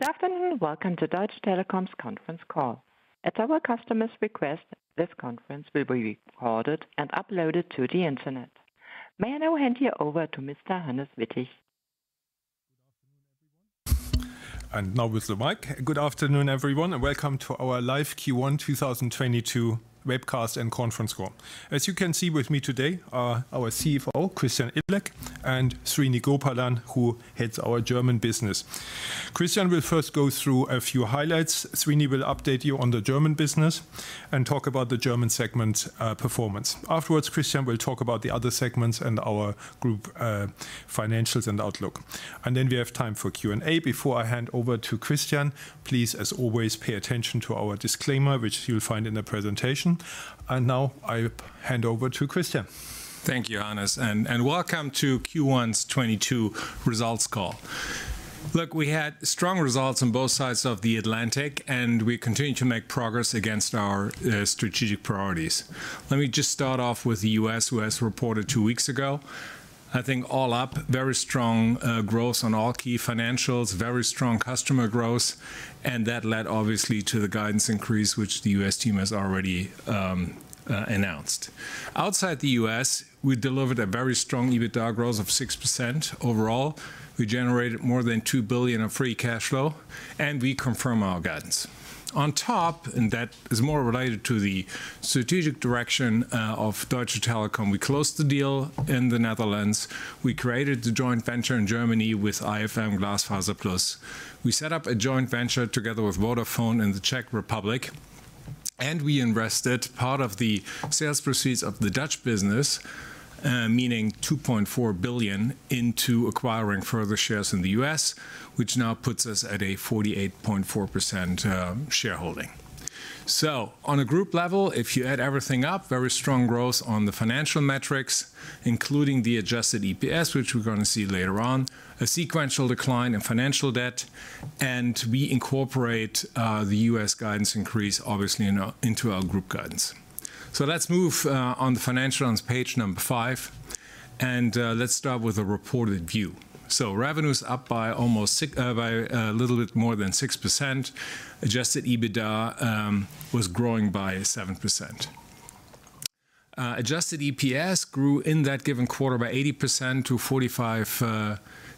Good afternoon. Welcome to Deutsche Telekom's conference call. At our customer's request, this conference will be recorded and uploaded to the Internet. May I now hand you over to Mr. Hannes Wittig. Now with the mic. Good afternoon, everyone, and welcome to our live Q1 2022 webcast and conference call. As you can see with me today are our CFO, Christian Illek, and Srini Gopalan, who heads our German business. Christian will first go through a few highlights. Srini will update you on the German business and talk about the German segment performance. Afterwards, Christian will talk about the other segments and our group financials and outlook. Then we have time for Q&A. Before I hand over to Christian, please, as always, pay attention to our disclaimer, which you'll find in the presentation. Now I hand over to Christian. Thank you, Hannes, and welcome to Q1 2022 results call. Look, we had strong results on both sides of the Atlantic, and we continue to make progress against our strategic priorities. Let me just start off with the U.S., who has reported two weeks ago. I think all up, very strong growth on all key financials, very strong customer growth, and that led obviously to the guidance increase which the U.S. team has already announced. Outside the U.S., we delivered a very strong EBITDA growth of 6% overall. We generated more than 2 billion of free cash flow, and we confirm our guidance. On top, that is more related to the strategic direction of Deutsche Telekom, we closed the deal in the Netherlands. We created the joint venture in Germany with IFM GlasfaserPlus. We set up a joint venture together with Vodafone in the Czech Republic, and we invested part of the sales proceeds of the Dutch business, meaning 2.4 billion, into acquiring further shares in the U.S., which now puts us at a 48.4% shareholding. On a group level, if you add everything up, very strong growth on the financial metrics, including the adjusted EPS, which we're gonna see later on, a sequential decline in financial debt, and we incorporate the U.S. guidance increase obviously into our group guidance. Let's move on the financials, page five, and let's start with a reported view. Revenue's up by a little bit more than 6%. Adjusted EBITDA was growing by 7%. Adjusted EPS grew in that given quarter by 80% to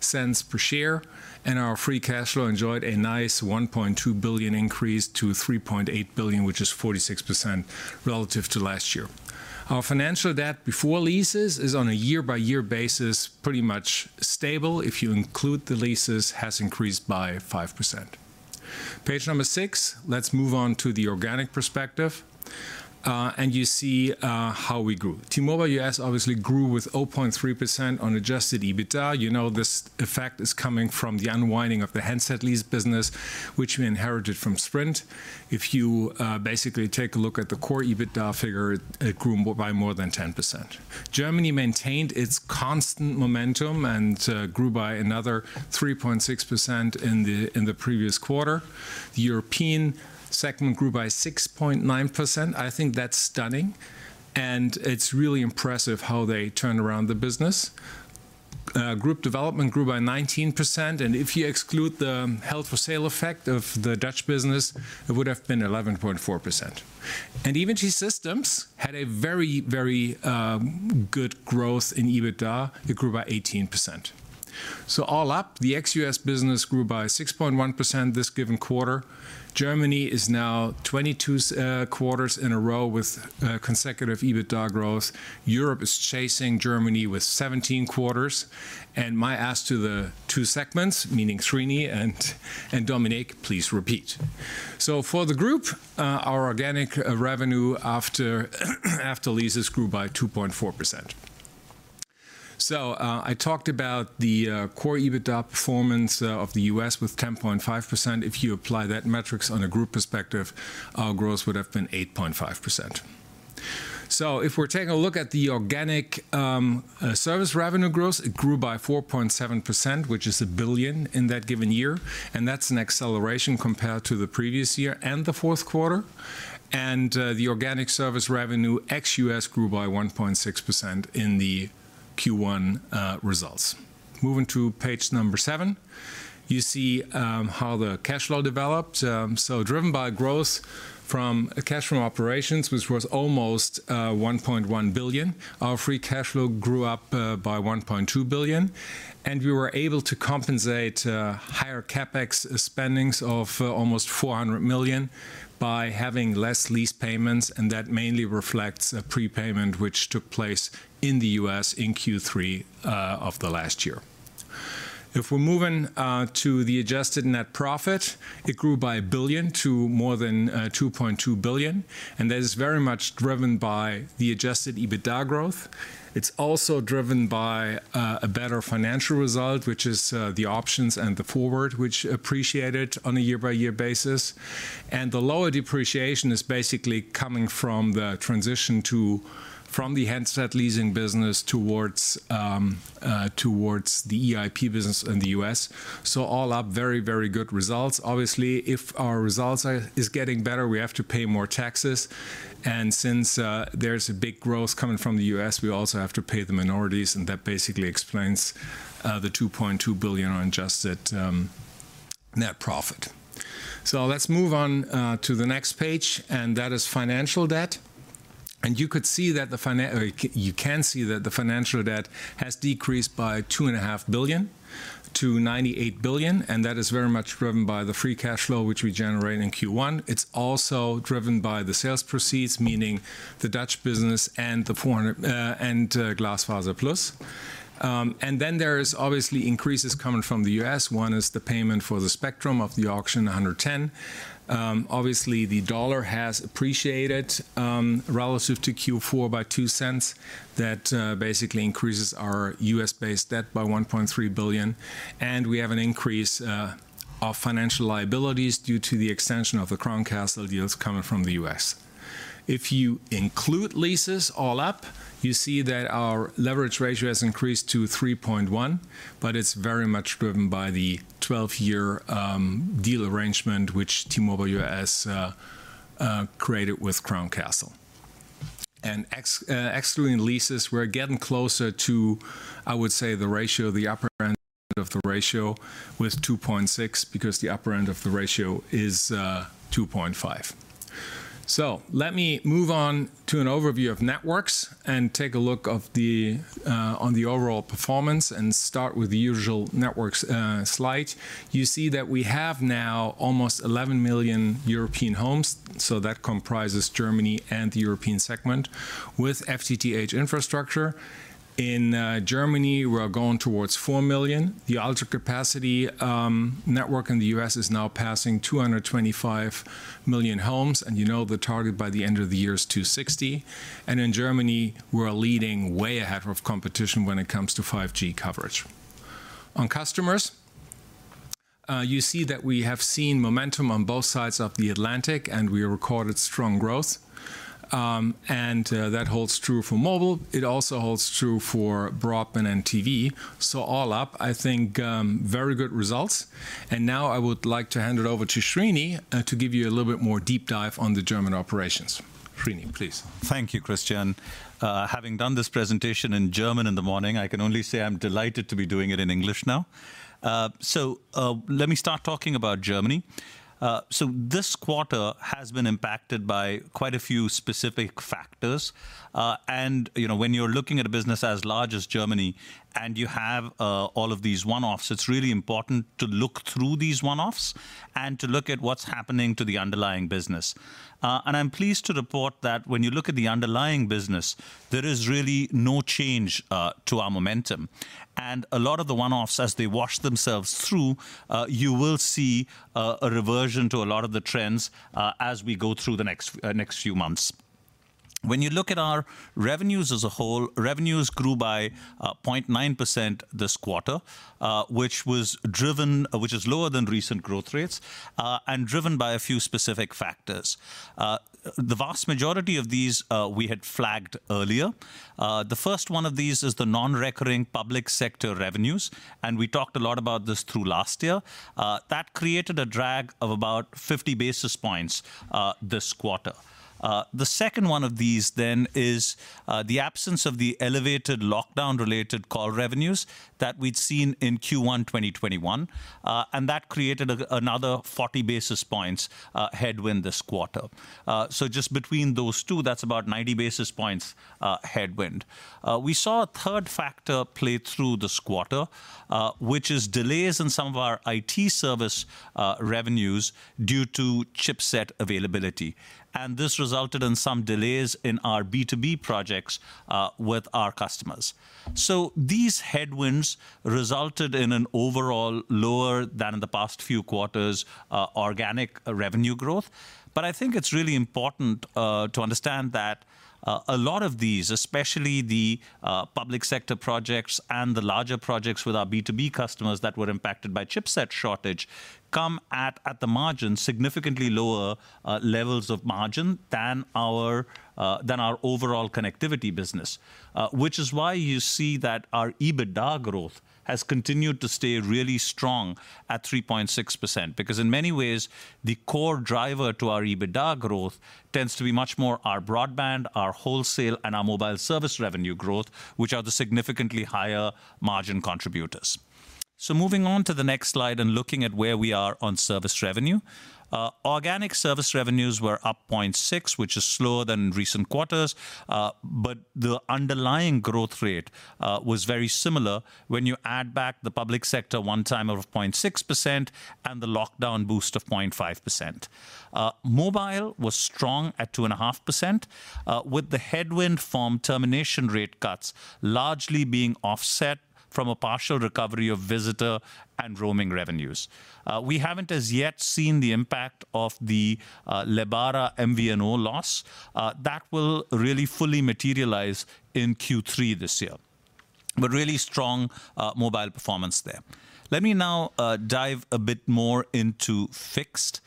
0.45 per share, and our free cash flow enjoyed a nice 1.2 billion increase to 3.8 billion, which is 46% relative to last year. Our financial debt before leases is on a year-by-year basis pretty much stable. If you include the leases, has increased by 5%. Page six, let's move on to the organic perspective, and you see how we grew. T-Mobile U.S. obviously grew with 0.3% on adjusted EBITDA. You know this effect is coming from the unwinding of the handset lease business, which we inherited from Sprint. If you basically take a look at the core EBITDA figure, it grew by more than 10%. Germany maintained its constant momentum and grew by another 3.6% in the previous quarter. The European segment grew by 6.9%. I think that's stunning, and it's really impressive how they turned around the business. Group development grew by 19%, and if you exclude the held-for-sale effect of the Dutch business, it would have been 11.4%. T-Systems had a very good growth in EBITDA. It grew by 18%. All up, the ex-U.S. business grew by 6.1% this given quarter. Germany is now 22 quarters in a row with consecutive EBITDA growth. Europe is chasing Germany with 17 quarters. My ask to the two segments, meaning Srini and Dominik, please repeat. For the group, our organic revenue after leases grew by 2.4%. I talked about the core EBITDA performance of the U.S. with 10.5%. If you apply that metric on a group perspective, our growth would have been 8.5%. If we're taking a look at the organic service revenue growth, it grew by 4.7%, which is 1 billion in that given year, and that's an acceleration compared to the previous year and the Q4. The organic service revenue ex-U.S. grew by 1.6% in the Q1 results. Moving to page seven, you see how the cash flow developed. Driven by growth from cash from operations, which was almost 1.1 billion. Our free cash flow grew up by 1.2 billion. We were able to compensate higher CapEx spending of almost 400 million by having less lease payments, and that mainly reflects a prepayment which took place in the U.S. in Q3 of the last year. If we're moving to the adjusted net profit, it grew by 1 billion to more than 2.2 billion, and that is very much driven by the adjusted EBITDA growth. It's also driven by a better financial result, which is the options and the forward, which appreciated on a year-by-year basis. The lower depreciation is basically coming from the transition from the handset leasing business towards the EIP business in the U.S. All up, very, very good results. Obviously, if our results are getting better, we have to pay more taxes. Since there's a big growth coming from the U.S., we also have to pay the minorities, and that basically explains the 2.2 billion adjusted net profit. Let's move on to the next page, and that is financial debt. You can see that the financial debt has decreased by 2.5 billion-98 billion, and that is very much driven by the free cash flow which we generate in Q1. It's also driven by the sales proceeds, meaning the Dutch business and GlasfaserPlus. Then there is obviously increases coming from the U.S. One is the payment for the spectrum of the auction, 110. Obviously, the dollar has appreciated relative to Q4 by two cents. That basically increases our U.S.-based debt by $1.3 billion. We have an increase of financial liabilities due to the extension of the Crown Castle deals coming from the U.S. If you include leases all up, you see that our leverage ratio has increased to 3.1, but it's very much driven by the 12-year deal arrangement which T-Mobile U.S. created with Crown Castle. Excluding leases, we're getting closer to, I would say, the ratio of the upper end of the ratio with 2.6, because the upper end of the ratio is 2.5. Let me move on to an overview of networks and take a look at the overall performance and start with the usual networks slide. You see that we have now almost 11 million European homes, so that comprises Germany and the European segment, with FTTH infrastructure. In Germany, we are going towards 4 million. The ultra capacity network in the US is now passing 225 million homes, and you know the target by the end of the year is 260. In Germany, we're leading way ahead of competition when it comes to 5G coverage. On customers, you see that we have seen momentum on both sides of the Atlantic, and we recorded strong growth. That holds true for mobile. It also holds true for broadband and TV. All up, I think, very good results. Now I would like to hand it over to Srini to give you a little bit more deep dive on the German operations. Srini, please. Thank you, Christian. Having done this presentation in German in the morning, I can only say I'm delighted to be doing it in English now. Let me start talking about Germany. This quarter has been impacted by quite a few specific factors. You know, when you're looking at a business as large as Germany and you have all of these one-offs, it's really important to look through these one-offs and to look at what's happening to the underlying business. I'm pleased to report that when you look at the underlying business, there is really no change to our momentum. A lot of the one-offs, as they wash themselves through, you will see a reversion to a lot of the trends, as we go through the next few months. When you look at our revenues as a whole, revenues grew by 0.9% this quarter, which is lower than recent growth rates and driven by a few specific factors. The vast majority of these we had flagged earlier. The first one of these is the non-recurring public sector revenues, and we talked a lot about this through last year. That created a drag of about 50 basis points this quarter. The second one of these then is the absence of the elevated lockdown-related call revenues that we'd seen in Q1 2021. That created another 40 basis points headwind this quarter. Just between those two, that's about 90 basis points headwind. We saw a third factor play through this quarter, which is delays in some of our IT service revenues due to chipset availability. This resulted in some delays in our B2B projects with our customers. These headwinds resulted in an overall lower than in the past few quarters organic revenue growth. I think it's really important to understand that a lot of these, especially the public sector projects and the larger projects with our B2B customers that were impacted by chipset shortage, come at the margin, significantly lower levels of margin than our overall connectivity business. Which is why you see that our EBITDA growth has continued to stay really strong at 3.6%, because in many ways, the core driver to our EBITDA growth tends to be much more our broadband, our wholesale, and our mobile service revenue growth, which are the significantly higher margin contributors. Moving on to the next slide and looking at where we are on service revenue. Organic service revenues were up 0.6%, which is slower than recent quarters, but the underlying growth rate was very similar when you add back the public sector one time of 0.6% and the lockdown boost of 0.5%. Mobile was strong at 2.5%, with the headwind from termination rate cuts largely being offset from a partial recovery of visitor and roaming revenues. We haven't as yet seen the impact of the Lebara MVNO loss. That will really fully materialize in Q3 this year. Really strong mobile performance there. Let me now dive a bit more into fixed.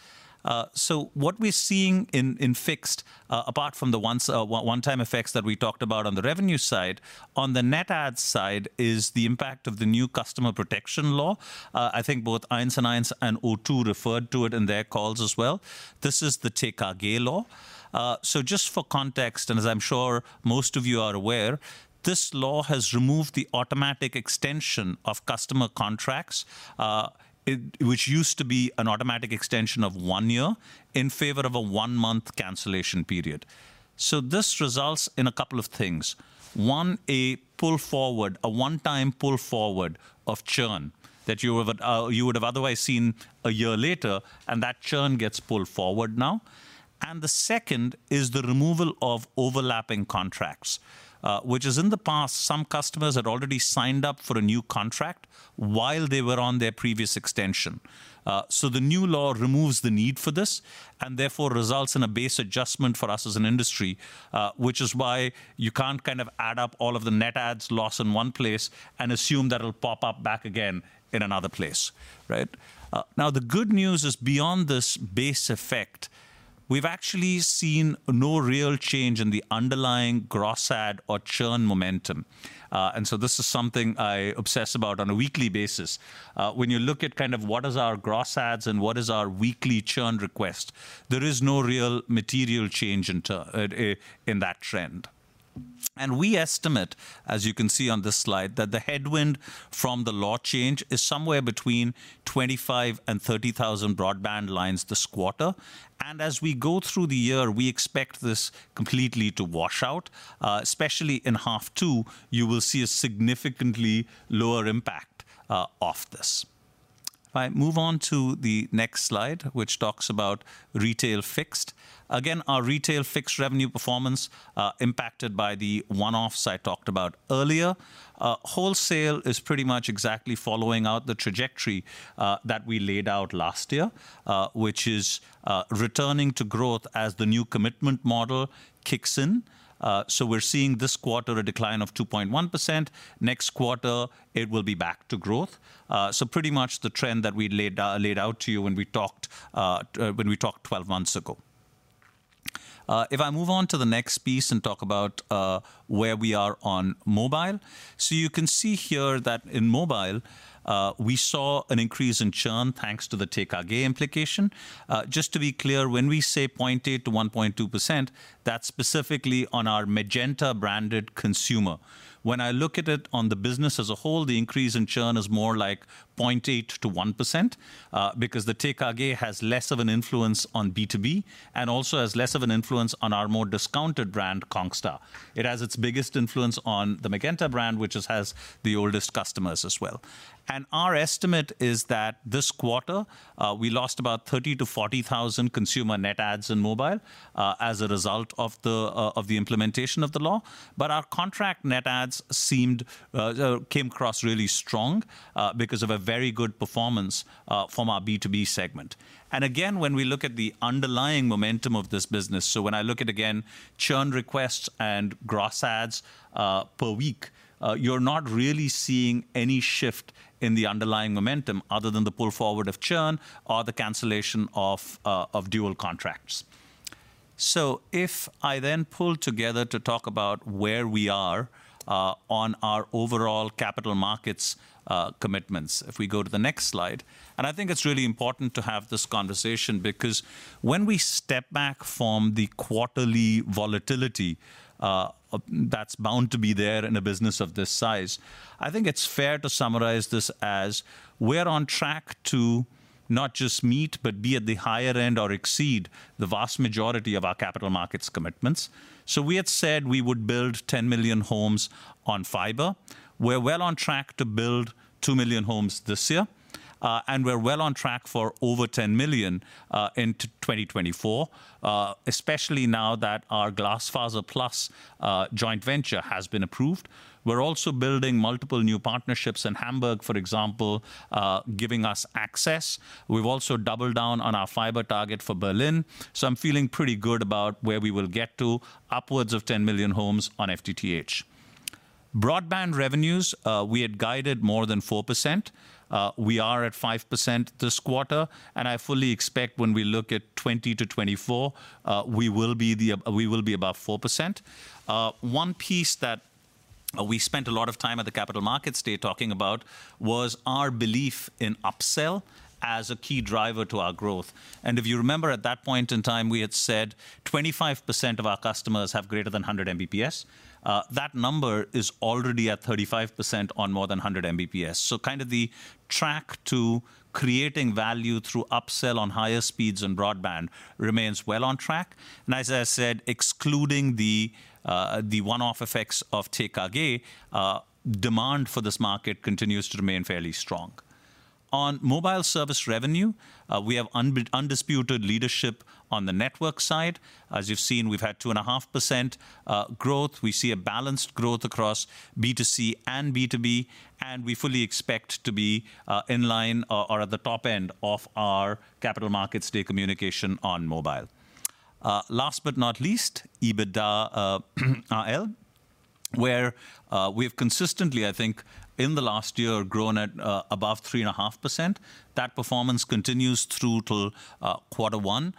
What we're seeing in fixed, apart from the one time effects that we talked about on the revenue side, on the net adds side is the impact of the new customer protection law. I think both 1&1 and O2 referred to it in their calls as well. This is the TKG law. Just for context, as I'm sure most of you are aware, this law has removed the automatic extension of customer contracts, which used to be an automatic extension of one year in favor of a one-month cancellation period. This results in a couple of things. One, a pull forward, a one-time pull forward of churn that you would have otherwise seen a year later, and that churn gets pulled forward now. The second is the removal of overlapping contracts, which, in the past, some customers had already signed up for a new contract while they were on their previous extension. The new law removes the need for this, and therefore results in a base adjustment for us as an industry, which is why you can't kind of add up all of the net adds loss in one place and assume that it'll pop up back again in another place, right? Now, the good news is beyond this base effect, we've actually seen no real change in the underlying gross add or churn momentum. This is something I obsess about on a weekly basis. When you look at kind of what is our gross adds and what is our weekly churn request, there is no real material change in that trend. We estimate, as you can see on this slide, that the headwind from the law change is somewhere between 25,000 and 30,000 broadband lines this quarter. As we go through the year, we expect this completely to wash out. Especially in half two, you will see a significantly lower impact of this. If I move on to the next slide, which talks about retail fixed. Again, our retail fixed revenue performance, impacted by the one-offs I talked about earlier. Wholesale is pretty much exactly following out the trajectory that we laid out last year, which is returning to growth as the new commitment model kicks in. We're seeing this quarter a decline of 2.1%. Next quarter, it will be back to growth. Pretty much the trend that we laid out to you when we talked 12 months ago. If I move on to the next piece and talk about where we are on mobile. You can see here that in mobile, we saw an increase in churn thanks to the TKG implication. Just to be clear, when we say 0.8%-1.2%, that's specifically on our Magenta-branded consumer. When I look at it on the business as a whole, the increase in churn is more like 0.8%-1%, because the TKG has less of an influence on B2B and also has less of an influence on our more discounted brand, Congstar. It has its biggest influence on the Magenta brand, which has the oldest customers as well. Our estimate is that this quarter, we lost about 30,000-40,000 consumer net adds in mobile, as a result of the implementation of the law. Our contract net adds came across really strong, because of a very good performance from our B2B segment. When we look at the underlying momentum of this business, when I look at churn requests and gross adds per week, you're not really seeing any shift in the underlying momentum other than the pull forward of churn or the cancellation of dual contracts. If I then pull together to talk about where we are on our overall capital markets commitments. If we go to the next slide. I think it's really important to have this conversation because when we step back from the quarterly volatility that's bound to be there in a business of this size, I think it's fair to summarize this as we're on track to not just meet but be at the higher end or exceed the vast majority of our capital markets commitments. We had said we would build 10 million homes on fiber. We're well on track to build 2 million homes this year, and we're well on track for over 10 million into 2024, especially now that our GlasfaserPlus joint venture has been approved. We're also building multiple new partnerships in Hamburg, for example, giving us access. We've also doubled down on our fiber target for Berlin. I'm feeling pretty good about where we will get to, upwards of 10 million homes on FTTH. Broadband revenues, we had guided more than 4%. We are at 5% this quarter, and I fully expect when we look at 2020-2024, we will be above 4%. One piece that we spent a lot of time at the Capital Markets Day talking about was our belief in upsell as a key driver to our growth. If you remember at that point in time, we had said 25% of our customers have greater than 100 Mbps. That number is already at 35% on more than 100 Mbps. Kind of the track to creating value through upsell on higher speeds and broadband remains well on track. As I said, excluding the one-off effects of TKG, demand for this market continues to remain fairly strong. On mobile service revenue, we have undisputed leadership on the network side. As you've seen, we've had 2.5% growth. We see a balanced growth across B2C and B2B, and we fully expect to be in line or at the top end of our Capital Markets Day communication on mobile. Last but not least, EBITDA AL, where we have consistently, I think, in the last year grown at above 3.5%. That performance continues through till Q1.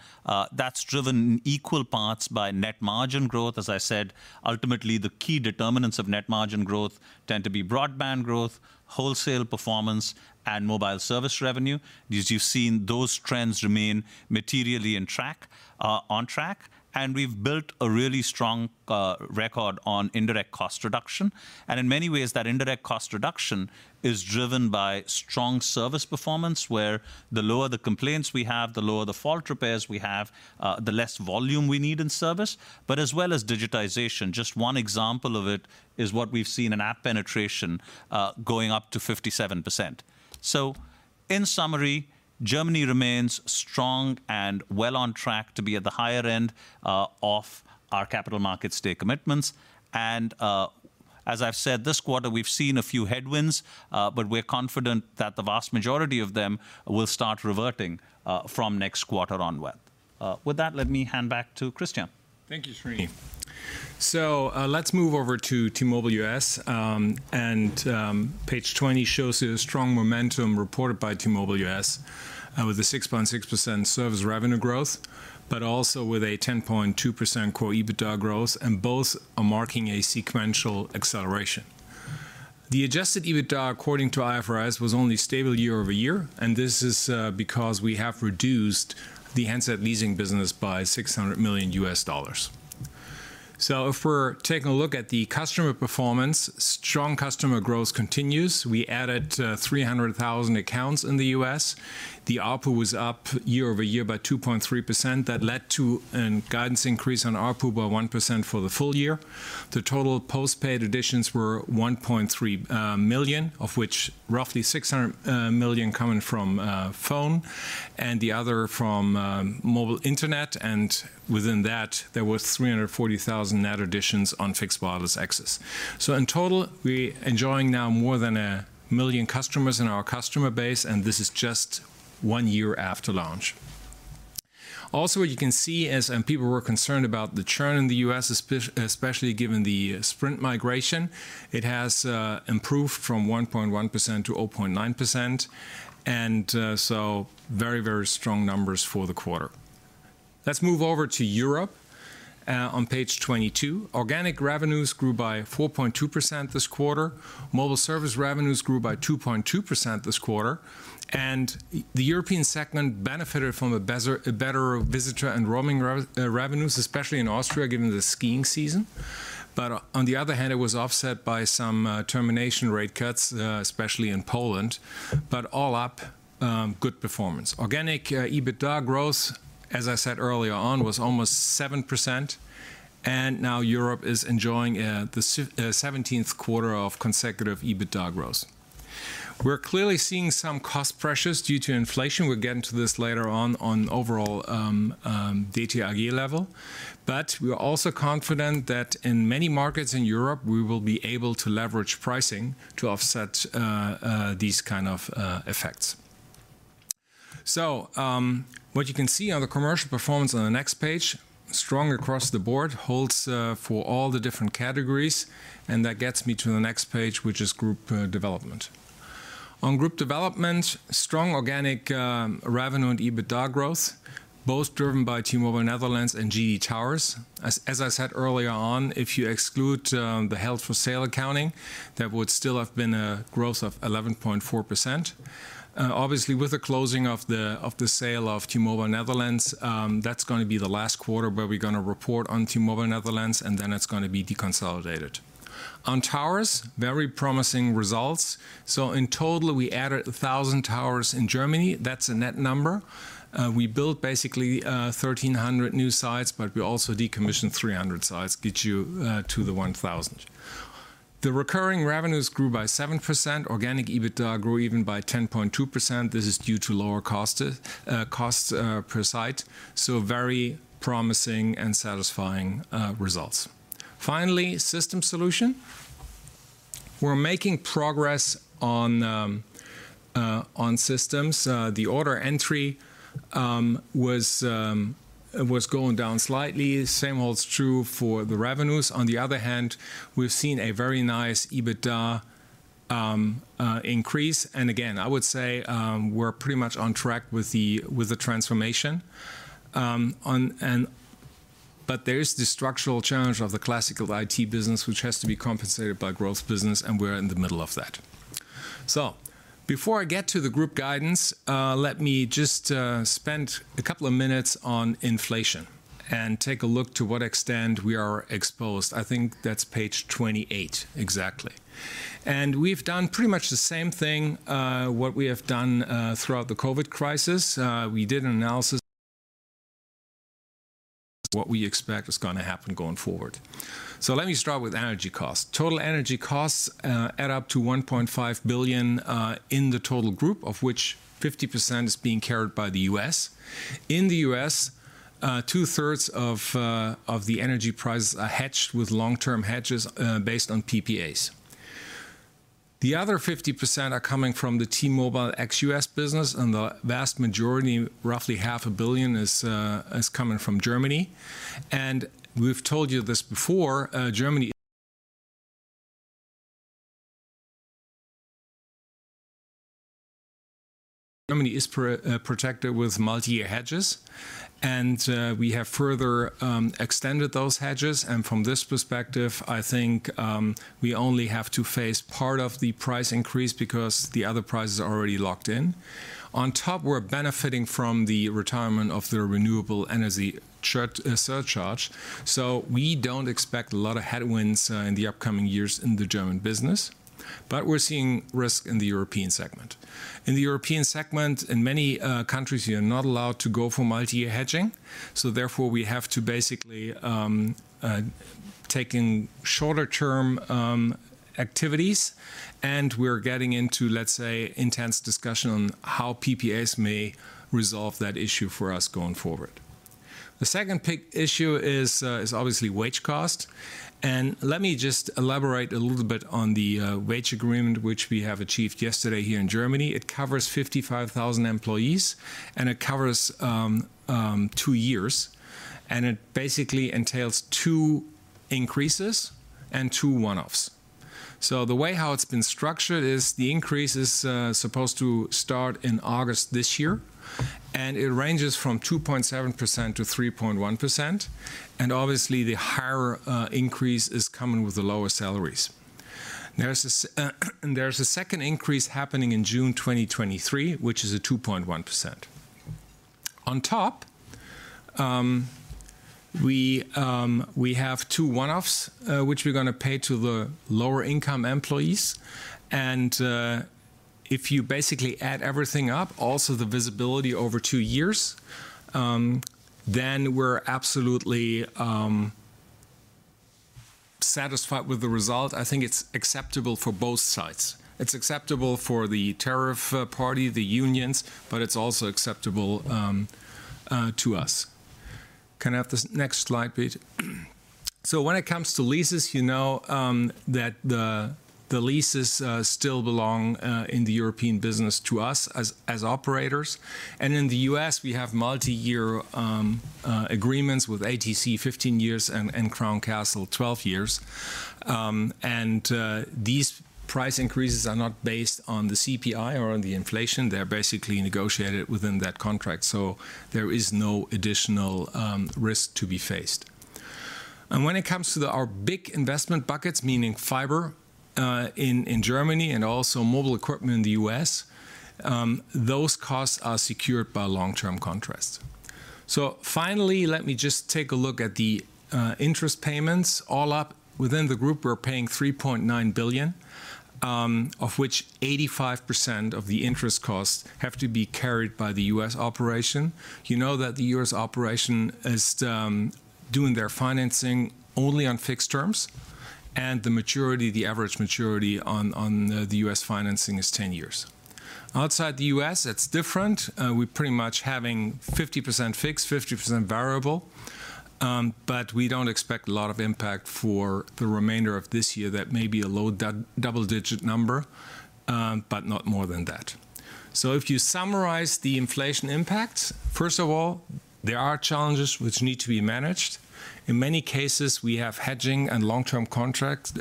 That's driven equal parts by net margin growth. As I said, ultimately, the key determinants of net margin growth tend to be broadband growth, wholesale performance, and mobile service revenue. As you've seen, those trends remain materially on track, and we've built a really strong record on indirect cost reduction. In many ways, that indirect cost reduction is driven by strong service performance, where the lower the complaints we have, the lower the fault repairs we have, the less volume we need in service, but as well as digitization. Just one example of it is what we've seen in app penetration, going up to 57%. In summary, Germany remains strong and well on track to be at the higher end of our capital markets day commitments. As I've said, this quarter we've seen a few headwinds, but we're confident that the vast majority of them will start reverting from next quarter onward. With that, let me hand back to Christian. Thank you, Srini. Let's move over to T-Mobile U.S.. Page 20 shows the strong momentum reported by T-Mobile U.S., with a 6.6% service revenue growth, but also with a 10.2% core EBITDA growth, and both are marking a sequential acceleration. The adjusted EBITDA according to IFRS was only stable year-over-year, and this is because we have reduced the handset leasing business by $600 million. If we're taking a look at the customer performance, strong customer growth continues. We added 300,000 accounts in the U.S.. The ARPU was up year-over-year by 2.3%. That led to a guidance increase on ARPU by 1% for the full year. The total postpaid additions were 1.3 million, of which roughly 600 million coming from phone and the other from mobile internet. Within that, there was 340,000 net additions on fixed wireless access. In total, we enjoying now more than a million customers in our customer base, and this is just one year after launch. Also, you can see as people were concerned about the churn in the U.S., especially given the Sprint migration. It has improved from 1.1%-0.9%, and so very, very strong numbers for the quarter. Let's move over to Europe on page 22. Organic revenues grew by 4.2% this quarter. Mobile service revenues grew by 2.2% this quarter. The European segment benefited from a better visitor and roaming revenues, especially in Austria, given the skiing season. On the other hand, it was offset by some termination rate cuts, especially in Poland. All up, good performance. Organic EBITDA growth, as I said earlier on, was almost 7%, and now Europe is enjoying the seventeenth quarter of consecutive EBITDA growth. We're clearly seeing some cost pressures due to inflation. We'll get into this later on overall DT AG level. We are also confident that in many markets in Europe, we will be able to leverage pricing to offset these kind of effects. What you can see on the commercial performance on the next page, strong across the board, holds for all the different categories, and that gets me to the next page, which is group development. On group development, strong organic revenue and EBITDA growth, both driven by T-Mobile Netherlands and GD Towers. As I said earlier on, if you exclude the held for sale accounting, that would still have been a growth of 11.4%. Obviously, with the closing of the sale of T-Mobile Netherlands, that's gonna be the last quarter where we're gonna report on T-Mobile Netherlands, and then it's gonna be deconsolidated. On towers, very promising results. In total, we added 1,000 towers in Germany. That's a net number. We built basically 1,300 new sites, but we also decommissioned 300 sites, gets you to the 1,000. The recurring revenues grew by 7%. Organic EBITDA grew even by 10.2%. This is due to lower costs per site. Very promising and satisfying results. Finally, system solution. We're making progress on systems. The order entry was going down slightly. Same holds true for the revenues. On the other hand, we've seen a very nice EBITDA increase. And again, I would say, we're pretty much on track with the transformation. There is the structural challenge of the classical IT business, which has to be compensated by growth business, and we're in the middle of that. Before I get to the group guidance, let me just spend a couple of minutes on inflation and take a look to what extent we are exposed. I think that's page 28 exactly. We've done pretty much the same thing, what we have done, throughout the COVID crisis. We did an analysis what we expect is gonna happen going forward. Let me start with energy costs. Total energy costs add up to 1.5 billion in the total group, of which 50% is being carried by the U.S.. In the U.S., two-thirds of the energy prices are hedged with long-term hedges, based on PPAs. The other 50% are coming from the T-Mobile ex-U.S. business, and the vast majority, roughly 500,000,000 million, is coming from Germany. We've told you this before. Germany is protected with multi-year hedges, and we have further extended those hedges. From this perspective, I think we only have to face part of the price increase because the other prices are already locked in. On top, we're benefiting from the retirement of the renewable energy surcharge. We don't expect a lot of headwinds in the upcoming years in the German business. We're seeing risk in the European segment. In the European segment, in many countries, you're not allowed to go for multi-year hedging, so therefore, we have to basically take shorter term activities and we're getting into, let's say, intense discussion on how PPAs may resolve that issue for us going forward. The second big issue is obviously wage cost. Let me just elaborate a little bit on the wage agreement which we have achieved yesterday here in Germany. It covers 55,000 employees, and it covers two years. It basically entails two increases and two one-offs. The way how it's been structured is the increase is supposed to start in August this year, and it ranges from 2.7%-3.1%. Obviously the higher increase is coming with the lower salaries. There's a second increase happening in June 2023, which is a 2.1%. On top, we have two one-offs, which we're gonna pay to the lower income employees. If you basically add everything up, also the visibility over two years, then we're absolutely satisfied with the result. I think it's acceptable for both sides. It's acceptable for the tariff party, the unions, but it's also acceptable to us. Can I have the next slide, please? When it comes to leases, you know that the leases still belong in the European business to us as operators. In the U.S., we have multi-year agreements with ATC, 15 years, and Crown Castle, 12 years. These price increases are not based on the CPI or on the inflation. They're basically negotiated within that contract, so there is no additional risk to be faced. When it comes to our big investment buckets, meaning fiber in Germany and also mobile equipment in the U.S., those costs are secured by long-term contracts. Finally, let me just take a look at the interest payments. All up within the group, we're paying 3.9 billion, of which 85% of the interest costs have to be carried by the U.S. operation. You know that the U.S. operation is doing their financing only on fixed terms, and the maturity, the average maturity on the U.S. financing is 10 years. Outside the U.S., it's different. We're pretty much having 50% fixed, 50% variable. But we don't expect a lot of impact for the remainder of this year. That may be a low double-digit number, but not more than that. If you summarize the inflation impact, first of all, there are challenges which need to be managed. In many cases, we have hedging and long-term contracts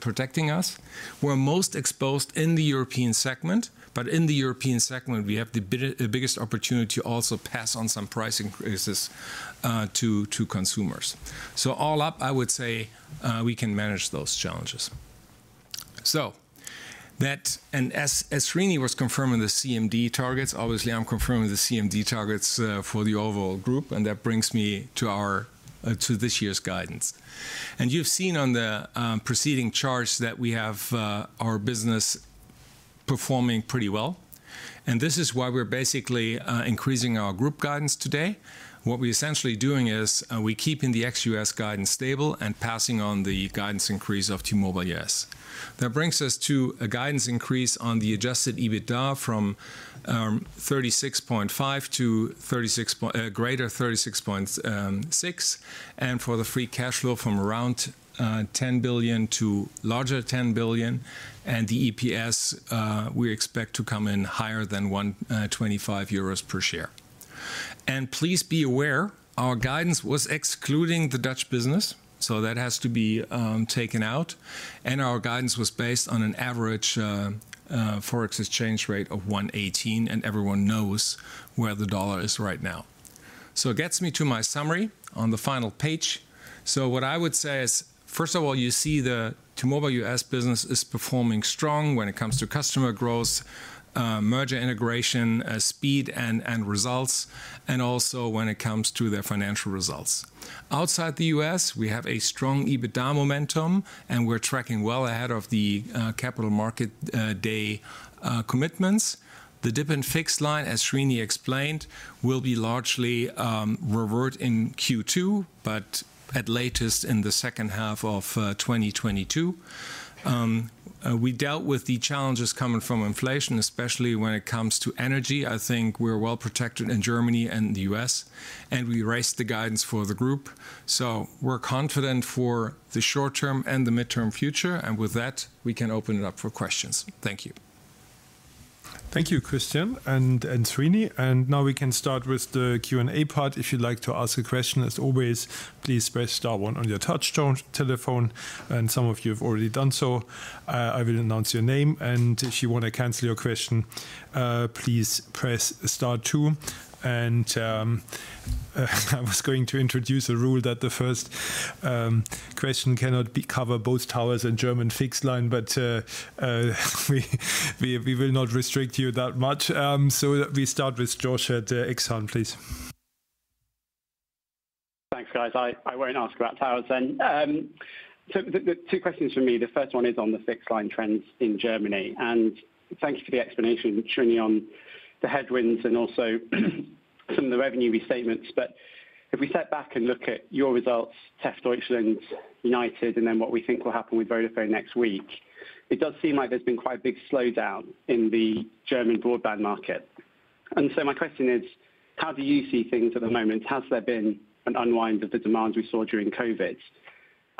protecting us. We're most exposed in the European segment, but in the European segment, we have the biggest opportunity to also pass on some price increases to consumers. All up, I would say, we can manage those challenges. As Srini was confirming the CMD targets, obviously I'm confirming the CMD targets for the overall group, and that brings me to this year's guidance. You've seen on the preceding charts that we have our business performing pretty well, and this is why we're basically increasing our group guidance today. What we're essentially doing is, we keeping the ex-U.S. guidance stable and passing on the guidance increase of T-Mobile U.S.. That brings us to a guidance increase on the adjusted EBITDA from 36.5 to greater than 36.6, and for the free cash flow from around 10 billion to larger than 10 billion, and the EPS we expect to come in higher than 1.25 euros per share. Please be aware, our guidance was excluding the Dutch business, so that has to be taken out, and our guidance was based on an average Forex exchange rate of 1.18, and everyone knows where the dollar is right now. It gets me to my summary on the final page. What I would say is, first of all, you see the T-Mobile U.S. business is performing strong when it comes to customer growth, merger integration, speed and results, and also when it comes to their financial results. Outside the U.S., we have a strong EBITDA momentum, and we're tracking well ahead of the Capital Markets Day commitments. The dip in fixed line, as Srini explained, will be largely revert in Q2, but at latest in the H2 of 2022. We dealt with the challenges coming from inflation, especially when it comes to energy. I think we're well protected in Germany and the U.S., and we raised the guidance for the group. We're confident for the short term and the midterm future, and with that, we can open it up for questions. Thank you. Thank you, Christian and Srini. Now we can start with the Q&A part. If you'd like to ask a question, as always, please press star one on your touchtone telephone, and some of you have already done so. I will announce your name. If you wanna cancel your question, please press star two. I was going to introduce a rule that the first question cannot cover both towers and German fixed line, but we will not restrict you that much. So we start with George at Exane, please. Thanks, guys. I won't ask about towers then. The two questions from me, the first one is on the fixed line trends in Germany, and thank you for the explanation, Srini, on the headwinds and also some of the revenue restatements. If we step back and look at your results, Telekom Deutschland, United Internet, and then what we think will happen with Vodafone next week, it does seem like there's been quite a big slowdown in the German broadband market. My question is, how do you see things at the moment? Has there been an unwind of the demands we saw during COVID?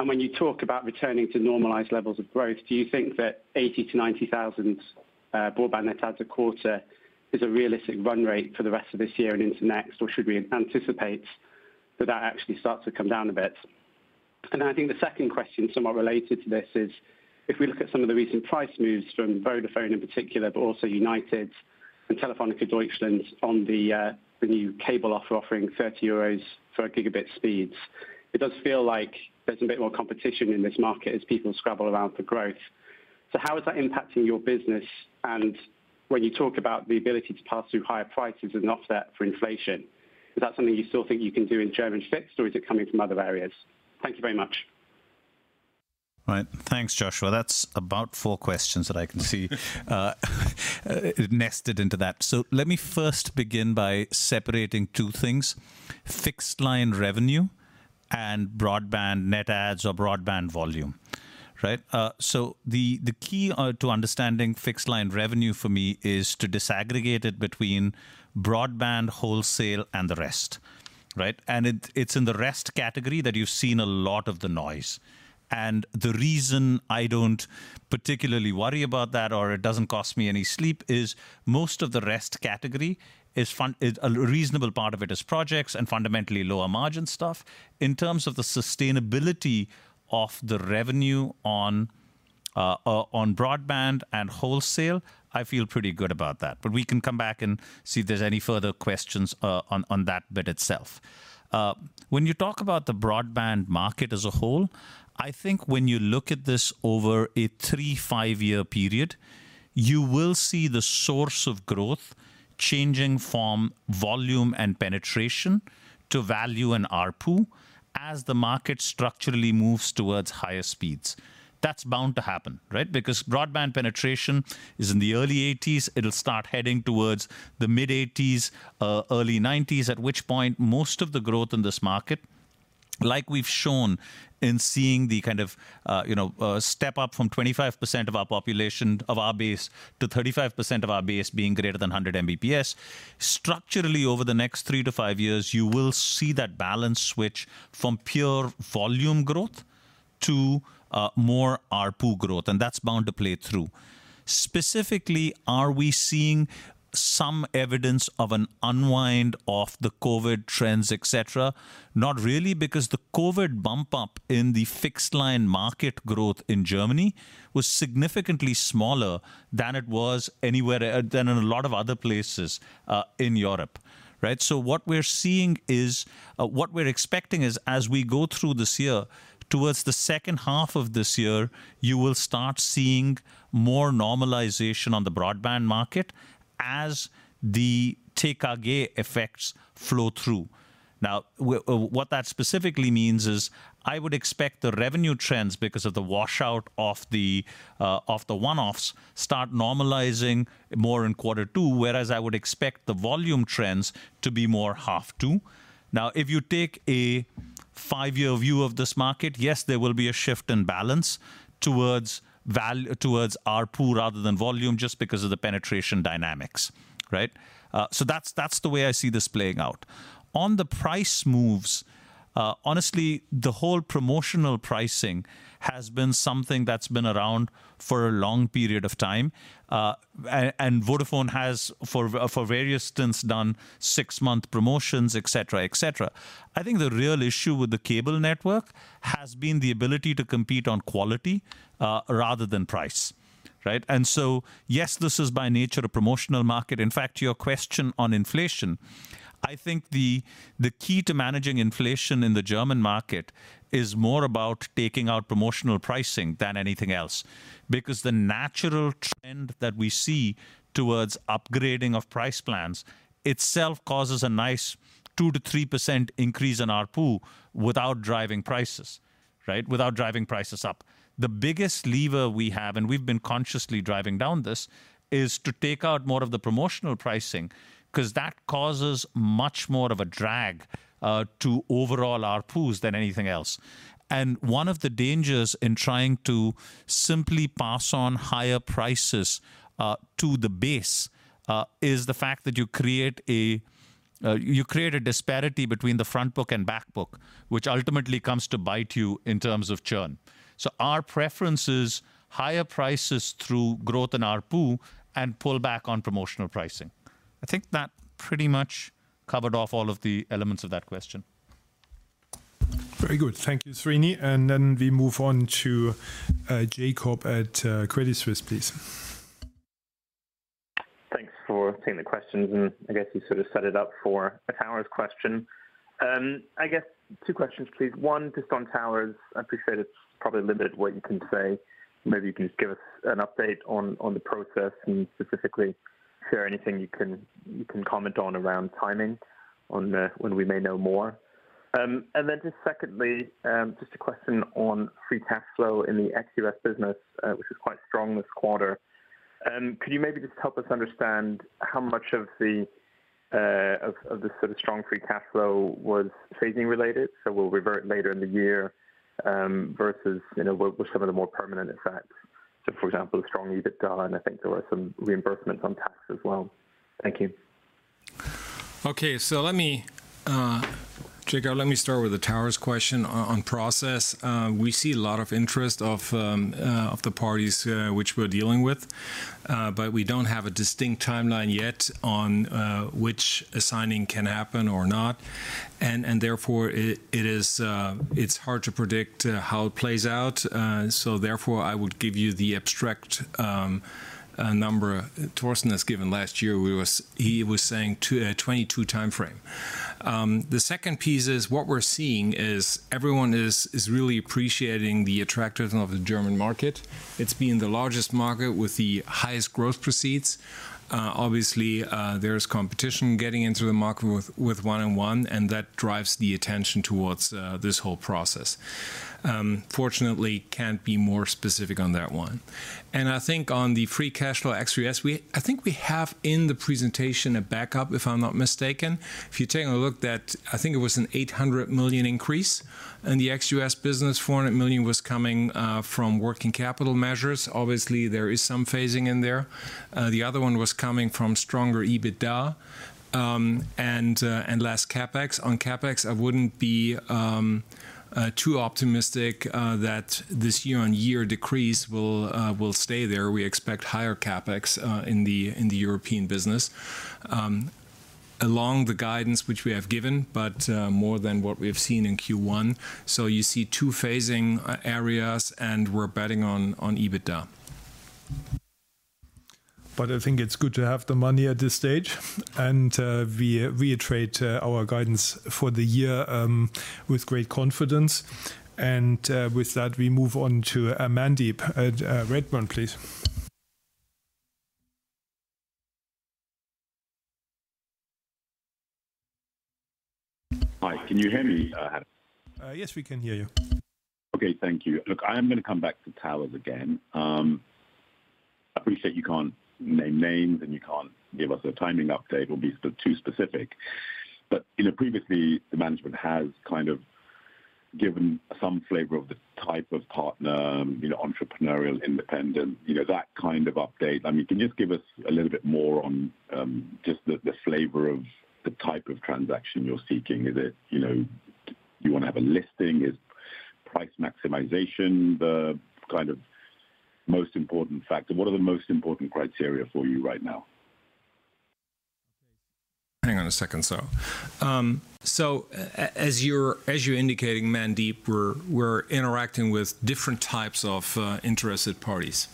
When you talk about returning to normalized levels of growth, do you think that 80,000-90,000 broadband net adds a quarter is a realistic run rate for the rest of this year and into next, or should we anticipate that that actually starts to come down a bit? I think the second question somewhat related to this is, if we look at some of the recent price moves from Vodafone in particular, but also United Internet and Telefónica Deutschland on the new cable offer, offering 30 euros for a gigabit speeds. It does feel like there's a bit more competition in this market as people scramble around for growth. So how is that impacting your business? When you talk about the ability to pass through higher prices as an offset for inflation, is that something you still think you can do in German fixed or is it coming from other areas? Thank you very much. Right. Thanks, Joshua. That's about four questions that I can see nested into that. Let me first begin by separating two things, fixed line revenue and broadband net adds or broadband volume. Right? The key to understanding fixed line revenue for me is to disaggregate it between broadband, wholesale, and the rest. Right? It's in the rest category that you've seen a lot of the noise. The reason I don't particularly worry about that or it doesn't cost me any sleep is most of the rest category, a reasonable part of it is projects and fundamentally lower margin stuff. In terms of the sustainability of the revenue on broadband and wholesale, I feel pretty good about that. We can come back and see if there's any further questions on that bit itself. When you talk about the broadband market as a whole, I think when you look at this over a three-five-year period, you will see the source of growth changing from volume and penetration to value and ARPU as the market structurally moves towards higher speeds. That's bound to happen, right? Because broadband penetration is in the early 80s, it'll start heading towards the mid-80s, early 90s, at which point most of the growth in this market, like we've shown in seeing the kind of, you know, step up from 25% of our population, of our base to 35% of our base being greater than 100 Mbps. Structurally, over the next three-five years, you will see that balance switch from pure volume growth to, more ARPU growth, and that's bound to play through. Specifically, are we seeing some evidence of an unwind of the COVID trends, et cetera? Not really, because the COVID bump up in the fixed line market growth in Germany was significantly smaller than it was anywhere, than in a lot of other places in Europe. Right? What we're expecting is as we go through this year, towards the H2 of this year, you will start seeing more normalization on the broadband market as the TKG effects flow through. Now, what that specifically means is I would expect the revenue trends because of the washout of the one-offs start normalizing more in quarter two, whereas I would expect the volume trends to be more half two. Now, if you take a five-year view of this market, yes, there will be a shift in balance towards ARPU rather than volume just because of the penetration dynamics. Right? So that's the way I see this playing out. On the price moves, honestly, the whole promotional pricing has been something that's been around for a long period of time. And Vodafone has for various stints done six-month promotions, et cetera, et cetera. I think the real issue with the cable network has been the ability to compete on quality rather than price. Right? Yes, this is by nature a promotional market. In fact, to your question on inflation, I think the key to managing inflation in the German market is more about taking out promotional pricing than anything else. Because the natural trend that we see towards upgrading of price plans itself causes a nice 2%-3% increase in ARPU without driving prices, right? Without driving prices up. The biggest lever we have, and we've been consciously driving down this, is to take out more of the promotional pricing because that causes much more of a drag to overall ARPUs than anything else. One of the dangers in trying to simply pass on higher prices to the base is the fact that you create a disparity between the front book and back book, which ultimately comes to bite you in terms of churn. Our preference is higher prices through growth in ARPU and pull back on promotional pricing. I think that pretty much covered off all of the elements of that question. Very good. Thank you, Srini. We move on to Jakob at Credit Suisse, please. Thanks for taking the questions, and I guess you sort of set it up for a towers question. I guess two questions, please. One, just on towers. I appreciate it's probably limited what you can say. Maybe you can just give us an update on the process and specifically. Is there anything you can comment on around timing on when we may know more? Just secondly, just a question on free cash flow in the ex-U.S. business, which was quite strong this quarter. Could you maybe just help us understand how much of the sort of strong free cash flow was phasing-related, so will revert later in the year, versus you know what some of the more permanent effects? For example, strong EBITDA, and I think there were some reimbursements on tax as well. Thank you. Okay. Let me, Jakob, let me start with the Towers question on process. We see a lot of interest of the parties which we're dealing with. We don't have a distinct timeline yet on which assigning can happen or not, and therefore it's hard to predict how it plays out. Therefore, I would give you the abstract number Thorsten has given last year. He was saying 2022 timeframe. The second piece is what we're seeing is everyone is really appreciating the attractiveness of the German market. It's been the largest market with the highest growth prospects. Obviously, there's competition getting into the market with 1&1, and that drives the attention towards this whole process. Fortunately, can't be more specific on that one. I think on the free cash flow ex-U.S., I think we have in the presentation a backup, if I'm not mistaken. If you're taking a look, that I think it was an 800 million increase in the ex U.S. business. 400 million was coming from working capital measures. Obviously, there is some phasing in there. The other one was coming from stronger EBITDA and less CapEx. On CapEx, I wouldn't be too optimistic that this year-on-year decrease will stay there. We expect higher CapEx in the European business. Along the guidance which we have given, but more than what we have seen in Q1. You see two phasing areas, and we're betting on EBITDA. I think it's good to have the money at this stage, and we reiterate our guidance for the year with great confidence. With that, we move on to Mandeep at Redburn, please. Hi. Can you hear me, Hannes? Yes, we can hear you. Okay. Thank you. Look, I am gonna come back to Towers again. I appreciate you can't name names, and you can't give us a timing update or be too specific. But, you know, previously, the management has kind of given some flavor of the type of partner, you know, entrepreneurial, independent, you know, that kind of update. I mean, can you just give us a little bit more on just the flavor of the type of transaction you're seeking? Is it, you know, you wanna have a listing? Is price maximization the kind of most important factor? What are the most important criteria for you right now? Hang on a second. As you're indicating, Mandeep, we're interacting with different types of interested parties.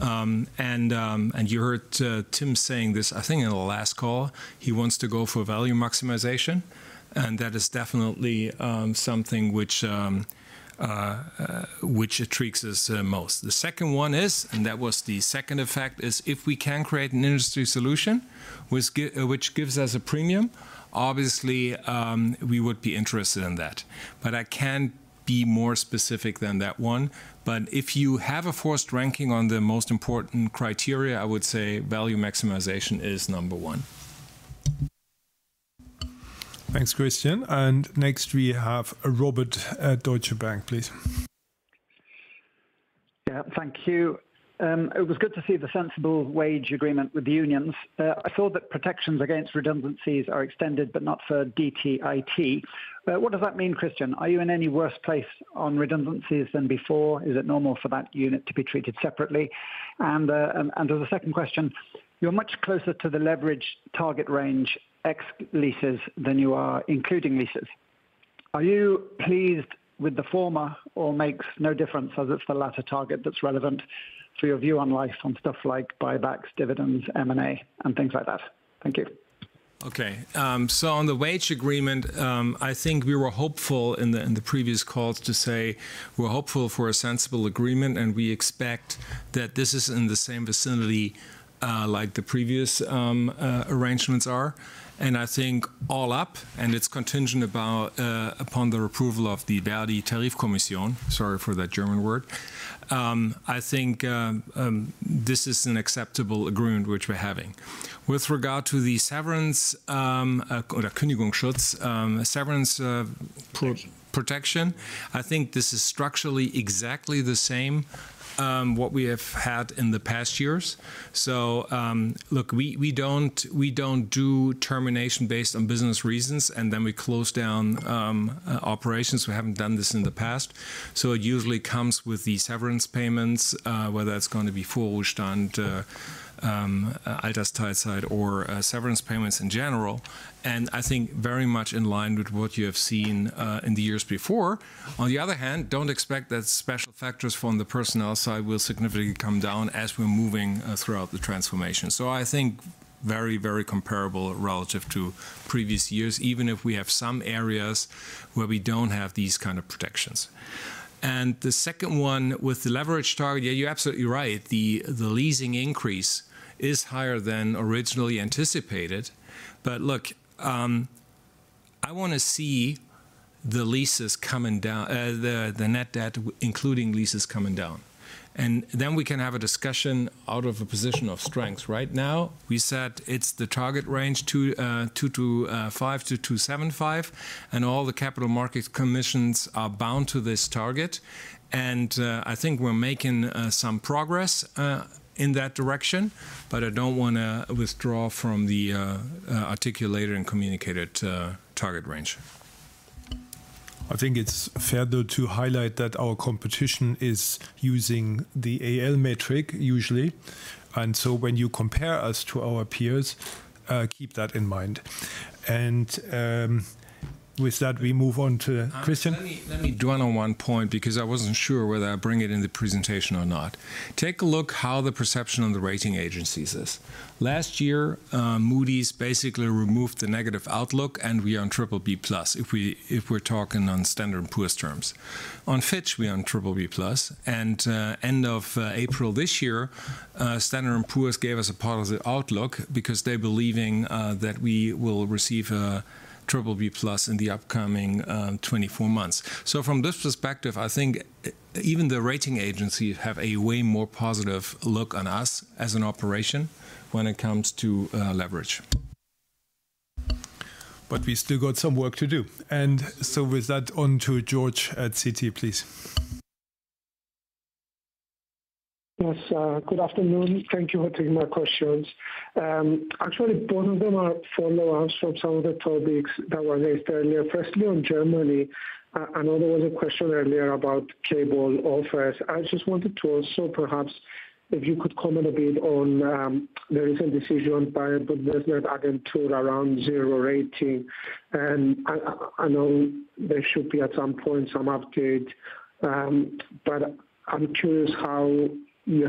You heard Tim saying this, I think in the last call, he wants to go for value maximization, and that is definitely something which attracts us most. The second one is, and that was the second effect, is if we can create an industry solution which gives us a premium, obviously, we would be interested in that. I can't be more specific than that one. If you have a forced ranking on the most important criteria, I would say value maximization is number one. Thanks, Christian. Next we have Robert at Deutsche Bank, please. Yeah. Thank you. It was good to see the sensible wage agreement with the unions. I saw that protections against redundancies are extended but not for DT IT. What does that mean, Christian? Are you in any worse place on redundancies than before? Is it normal for that unit to be treated separately? And as a second question, you're much closer to the leverage target range ex leases than you are including leases. Are you pleased with the former or makes no difference as it's the latter target that's relevant for your view on life on stuff like buybacks, dividends, M&A, and things like that? Thank you. Okay. On the wage agreement, I think we were hopeful in the previous calls to say we're hopeful for a sensible agreement, and we expect that this is in the same vicinity, like the previous arrangements are. I think all in all, it's contingent upon the approval of the Tarifkommission. Sorry for that German word. I think this is an acceptable agreement which we're having. With regard to the severance, or the Kündigungsschutz, severance protection. I think this is structurally exactly the same what we have had in the past years. Look, we don't do termination based on business reasons, and then we close down operations. We haven't done this in the past. It usually comes with the severance payments, whether that's gonna be Vorruhestand, Altersteilzeit or severance payments in general, and I think very much in line with what you have seen in the years before. On the other hand, don't expect that special factors from the personnel side will significantly come down as we're moving throughout the transformation. I think very, very comparable relative to previous years, even if we have some areas where we don't have these kind of protections. The second one with the leverage target, yeah, you're absolutely right. The leasing increase is higher than originally anticipated. Look, I wanna see the leases coming down, the net debt including leases coming down. Then we can have a discussion out of a position of strength. Right now, we said it's the target range 2.25-2.75, and all the capital market conditions are bound to this target. I think we're making some progress in that direction. I don't wanna withdraw from the articulated and communicated target range. I think it's fair, though, to highlight that our competition is using the AL metric usually. When you compare us to our peers, keep that in mind. With that, we move on to Christian. Let me dwell on one point because I wasn't sure whether I bring it in the presentation or not. Take a look how the perception on the rating agencies is. Last year, Moody's basically removed the negative outlook, and we are on triple B plus, if we're talking on Standard & Poor's terms. On Fitch, we're on triple B plus. End of April this year, Standard & Poor's gave us a positive outlook because they're believing that we will receive a triple B plus in the upcoming 24 months. From this perspective, I think even the rating agency have a way more positive look on us as an operation when it comes to leverage. We still got some work to do. With that, on to George at Citi, please. Yes, good afternoon. Thank you for taking my questions. Actually both of them are follow-ups from some of the topics that were raised earlier. Firstly, on Germany, I know there was a question earlier about cable offers. I just wanted to also perhaps if you could comment a bit on, there is a decision by the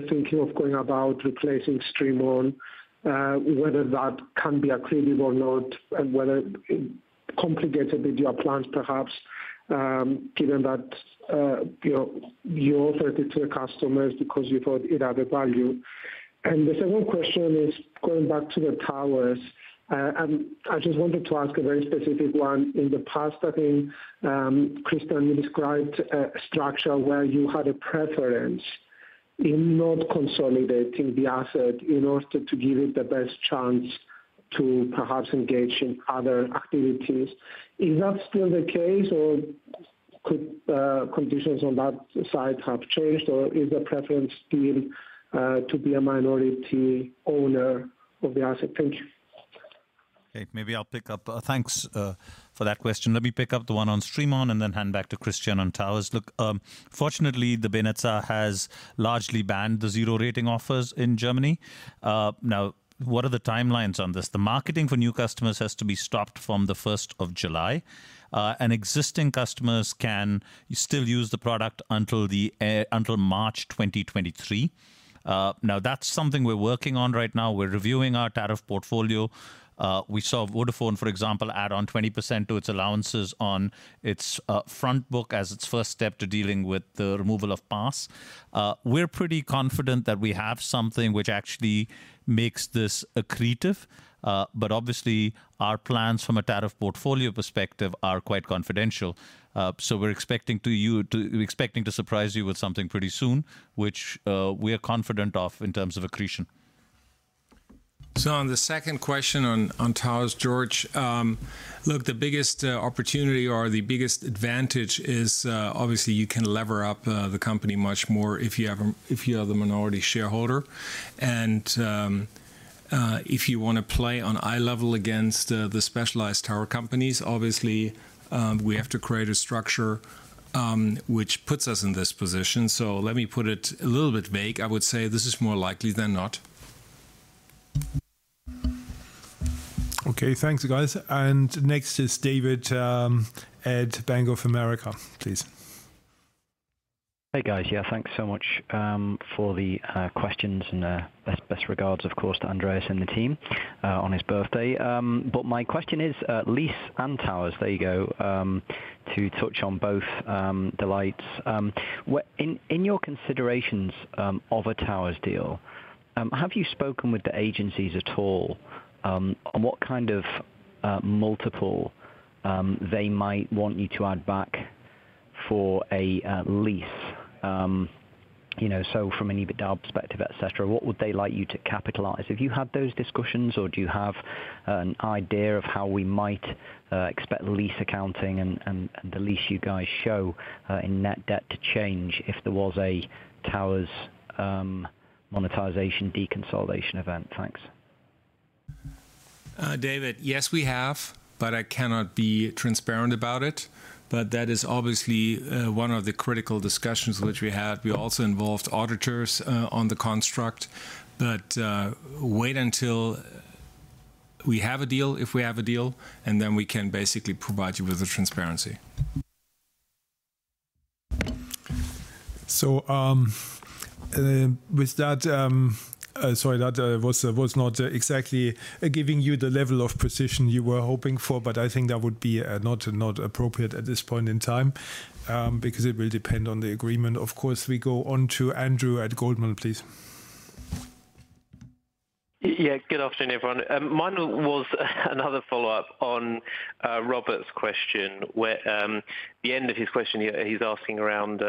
Okay. Maybe I'll pick up. Thanks for that question. Let me pick up the one on StreamOn and then hand back to Christian on Towers. Look, fortunately, the BNetzA has largely banned the zero-rating offers in Germany. Now, what are the timelines on this? The marketing for new customers has to be stopped from the first of July. Existing customers can still use the product until March 2023. Now, that's something we're working on right now. We're reviewing our tariff portfolio. We saw Vodafone, for example, add on 20% to its allowances on its front book as its first step to dealing with the removal of Pass. We're pretty confident that we have something which actually makes this accretive. Obviously, our plans from a tariff portfolio perspective are quite confidential. We're expecting to surprise you with something pretty soon, which we are confident of in terms of accretion. On the second question on Towers, George, the biggest opportunity or the biggest advantage is obviously you can lever up the company much more if you are the minority shareholder. If you wanna play on eye level against the specialized tower companies, obviously we have to create a structure which puts us in this position. Let me put it a little bit vague. I would say this is more likely than not. Okay. Thanks, guys. Next is David at Bank of America, please. Hey, guys. Yeah, thanks so much for the questions and best regards, of course, to Andreas and the team on his birthday. My question is lease and towers. There you go to touch on both details. In your considerations of a towers deal, have you spoken with the agencies at all on what kind of multiple they might want you to add back for a lease? You know, so from an EBITDA perspective, et cetera, what would they like you to capitalize? Have you had those discussions, or do you have an idea of how we might expect lease accounting and the lease you guys show in net debt to change if there was a towers monetization deconsolidation event? Thanks. David, yes, we have, but I cannot be transparent about it. That is obviously one of the critical discussions which we had. We also involved auditors on the construct. Wait until we have a deal, if we have a deal, and then we can basically provide you with the transparency. with that, sorry, that was not exactly giving you the level of precision you were hoping for, but I think that would be not appropriate at this point in time, because it will depend on the agreement. Of course, we go on to Andrew at Goldman, please. Yeah. Good afternoon, everyone. Mine was another follow-up on Robert's question, where the end of his question he he's asking around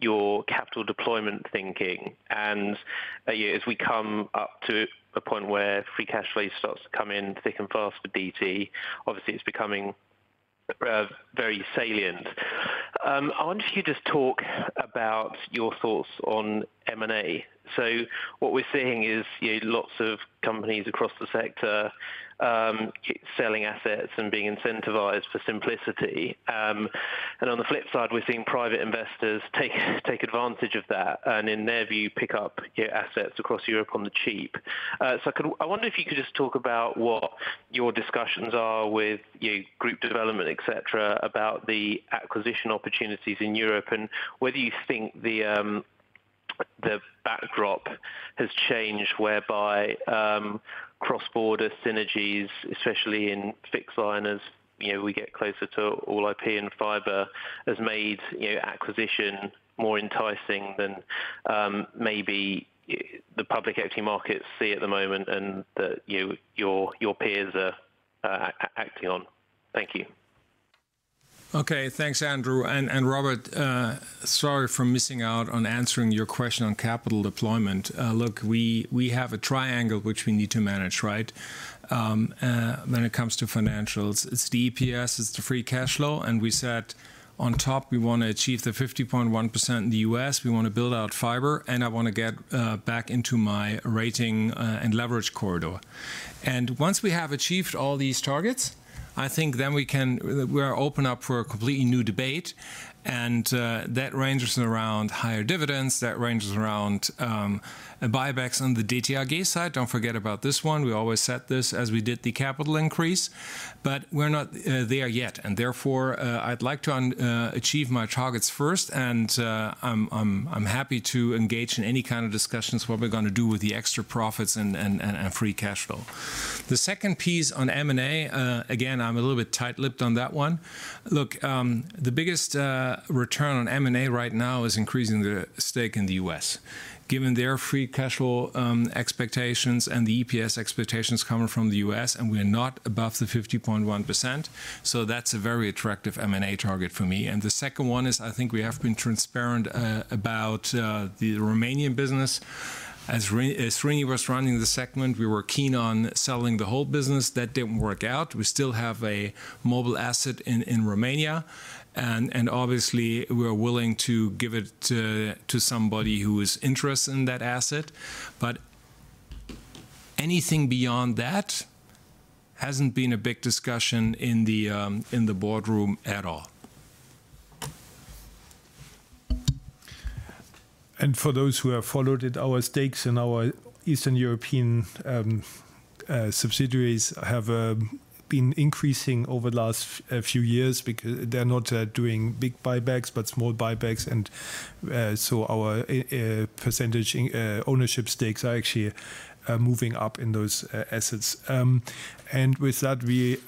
your capital deployment thinking. Yeah, as we come up to a point where free cash flow starts to come in thick and fast for DT, obviously it's becoming very salient. I wonder if you could just talk about your thoughts on M&A. What we're seeing is, you know, lots of companies across the sector selling assets and being incentivized for simplicity. On the flip side, we're seeing private investors take advantage of that and in their view, pick up your assets across Europe on the cheap. I wonder if you could just talk about what your discussions are with your group development, et cetera, about the acquisition opportunities in Europe and whether you think the backdrop has changed whereby cross-border synergies, especially in fixed line as you know we get closer to all IP and fiber, has made you know acquisition more enticing than maybe the public equity markets see at the moment and that you know your peers are acting on. Thank you. Okay. Thanks, Andrew. Robert, sorry for missing out on answering your question on capital deployment. Look, we have a triangle which we need to manage, right? When it comes to financials, it's the EPS, it's the free cash flow, and we said on top we wanna achieve the 50.1% in the U.S., we wanna build out fiber, and I wanna get back into my rating and leverage corridor. Once we have achieved all these targets, I think then we can open up for a completely new debate and that ranges around higher dividends, that ranges around buybacks on the DT AG side. Don't forget about this one. We always set this as we did the capital increase. We're not there yet, and therefore, I'd like to achieve my targets first and I'm happy to engage in any kind of discussions what we're gonna do with the extra profits and free cash flow. The second piece on M&A, again, I'm a little bit tight-lipped on that one. Look, the biggest return on M&A right now is increasing the stake in the U.S.. Given their free cash flow expectations and the EPS expectations coming from the U.S., and we're not above the 50.1%, so that's a very attractive M&A target for me. The second one is, I think we have been transparent about the Romanian business. As Srini was running the segment, we were keen on selling the whole business. That didn't work out. We still have a mobile asset in Romania and obviously we are willing to give it to somebody who is interested in that asset. Anything beyond that hasn't been a big discussion in the boardroom at all. For those who have followed it, our stakes in our Eastern European subsidiaries have been increasing over the last few years because they're not doing big buybacks but small buybacks and so our percentage in ownership stakes are actually moving up in those assets. With that, we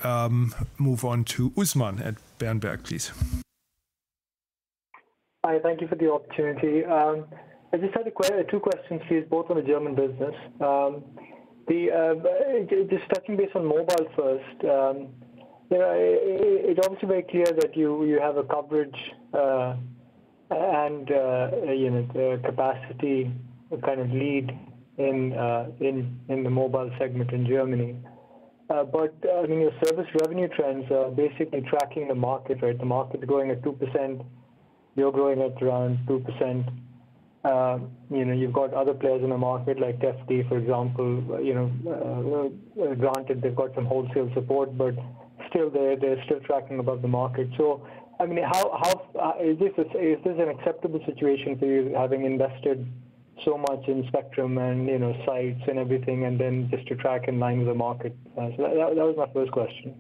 move on to Usman at Berenberg, please. Hi, thank you for the opportunity. I just had two questions for you both on the German business. Just touching base on mobile first, you know, it's obviously very clear that you have a coverage and you know, the capacity kind of lead in the mobile segment in Germany. You know, service revenue trends are basically tracking the market, right? The market's growing at 2%, you're growing at around 2%. You know, you've got other players in the market like FT, for example. You know, granted they've got some wholesale support, but still they're still tracking above the market. I mean, how is this an acceptable situation for you having invested so much in spectrum and, you know, sites and everything and then just to track in line with the market? That was my first question.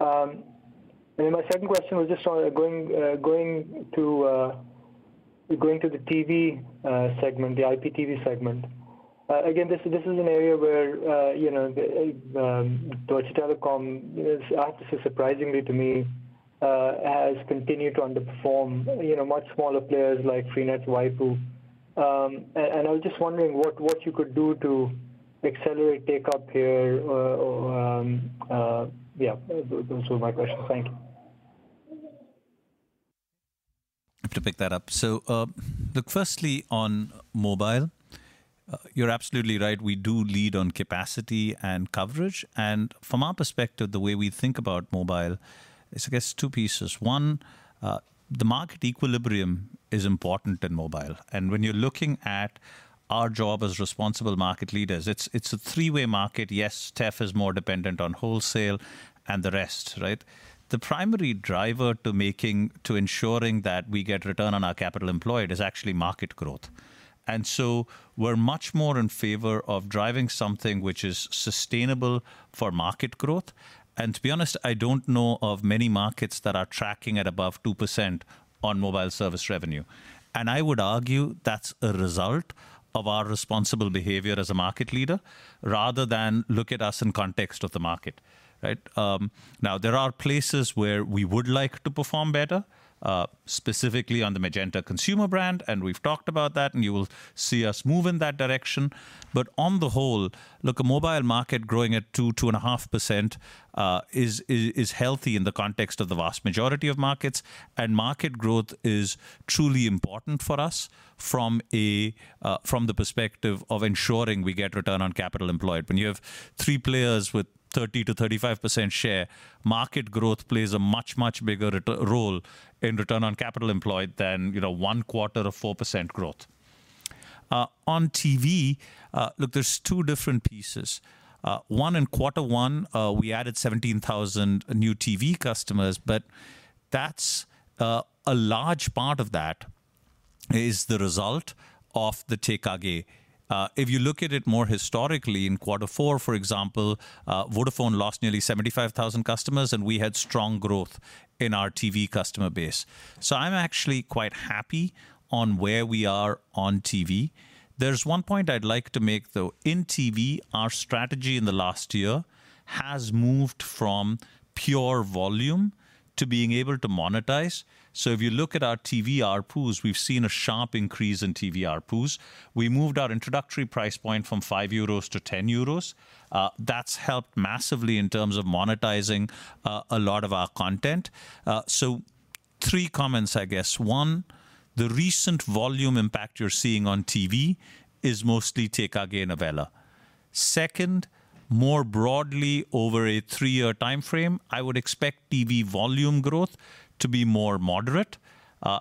My second question was just on the TV segment, the IPTV segment. Again, this is an area where, you know, Deutsche Telekom, I have to say surprisingly to me, has continued to underperform, you know, much smaller players like Freenet and Waipu. And I was just wondering what you could do to accelerate take-up here. Yeah, those were my questions. Thank you. To pick that up. Look, firstly on mobile, you're absolutely right, we do lead on capacity and coverage. From our perspective, the way we think about mobile is I guess two pieces. One, the market equilibrium is important in mobile. When you're looking at our job as responsible market leaders, it's a three-way market. Yes, TEF is more dependent on wholesale and the rest, right? The primary driver to ensuring that we get return on our capital employed is actually market growth. We're much more in favor of driving something which is sustainable for market growth. To be honest, I don't know of many markets that are tracking at above 2% on mobile service revenue. I would argue that's a result of our responsible behavior as a market leader rather than look at us in context of the market, right? Now, there are places where we would like to perform better, specifically on the Magenta consumer brand, and we've talked about that, and you will see us move in that direction. On the whole, look, a mobile market growing at 2-2.5%, is healthy in the context of the vast majority of markets. Market growth is truly important for us from a, from the perspective of ensuring we get return on capital employed. When you have three players with 30%-35% share, market growth plays a much, much bigger role in return on capital employed than, you know, one quarter of 4% growth. On TV, look, there's two different pieces. One, in quarter one, we added 17,000 new TV customers, but that's a large part of that is the result of the TKG. If you look at it more historically, in quarter four, for example, Vodafone lost nearly 75,000 customers, and we had strong growth in our TV customer base. I'm actually quite happy on where we are on TV. There's one point I'd like to make, though. In TV, our strategy in the last year has moved from pure volume to being able to monetize. If you look at our TV ARPU, we've seen a sharp increase in TV ARPUs. We moved our introductory price point from 5-10 euros. That's helped massively in terms of monetizing a lot of our content. Three comments, I guess. One, the recent volume impact you're seeing on TV is mostly TKG and Novella. Second, more broadly, over a three-year timeframe, I would expect TV volume growth to be more moderate.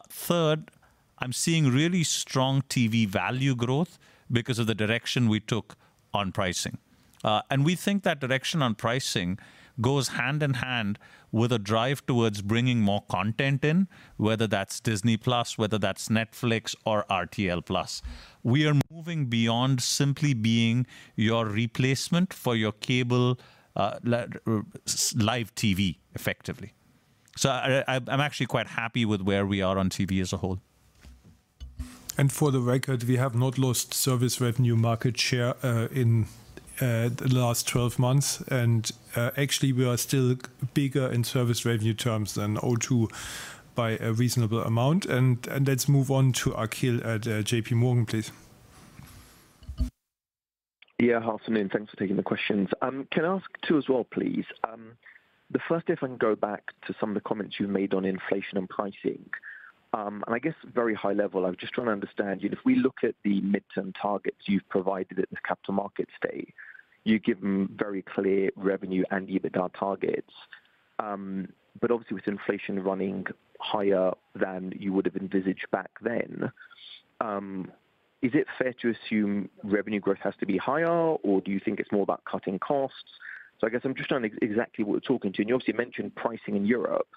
Third, I'm seeing really strong TV value growth because of the direction we took on pricing. And we think that direction on pricing goes hand-in-hand with a drive towards bringing more content in, whether that's Disney+, whether that's Netflix or RTL+. We are moving beyond simply being your replacement for your cable, live TV, effectively. I'm actually quite happy with where we are on TV as a whole. For the record, we have not lost service revenue market share in the last 12 months. Actually, we are still bigger in service revenue terms than O2 by a reasonable amount. Let's move on to Akhil at JPMorgan, please. Yeah. Thanks for taking the questions. Can I ask two as well, please? The first, if I can go back to some of the comments you made on inflation and pricing. I guess very high level, I'm just trying to understand, you know, if we look at the mid-term targets you've provided at the Capital Markets Day, you give them very clear revenue and EBITDA targets. Obviously with inflation running higher than you would have envisaged back then, is it fair to assume revenue growth has to be higher, or do you think it's more about cutting costs? I guess I'm just trying to exactly what we're talking about. You obviously mentioned pricing in Europe.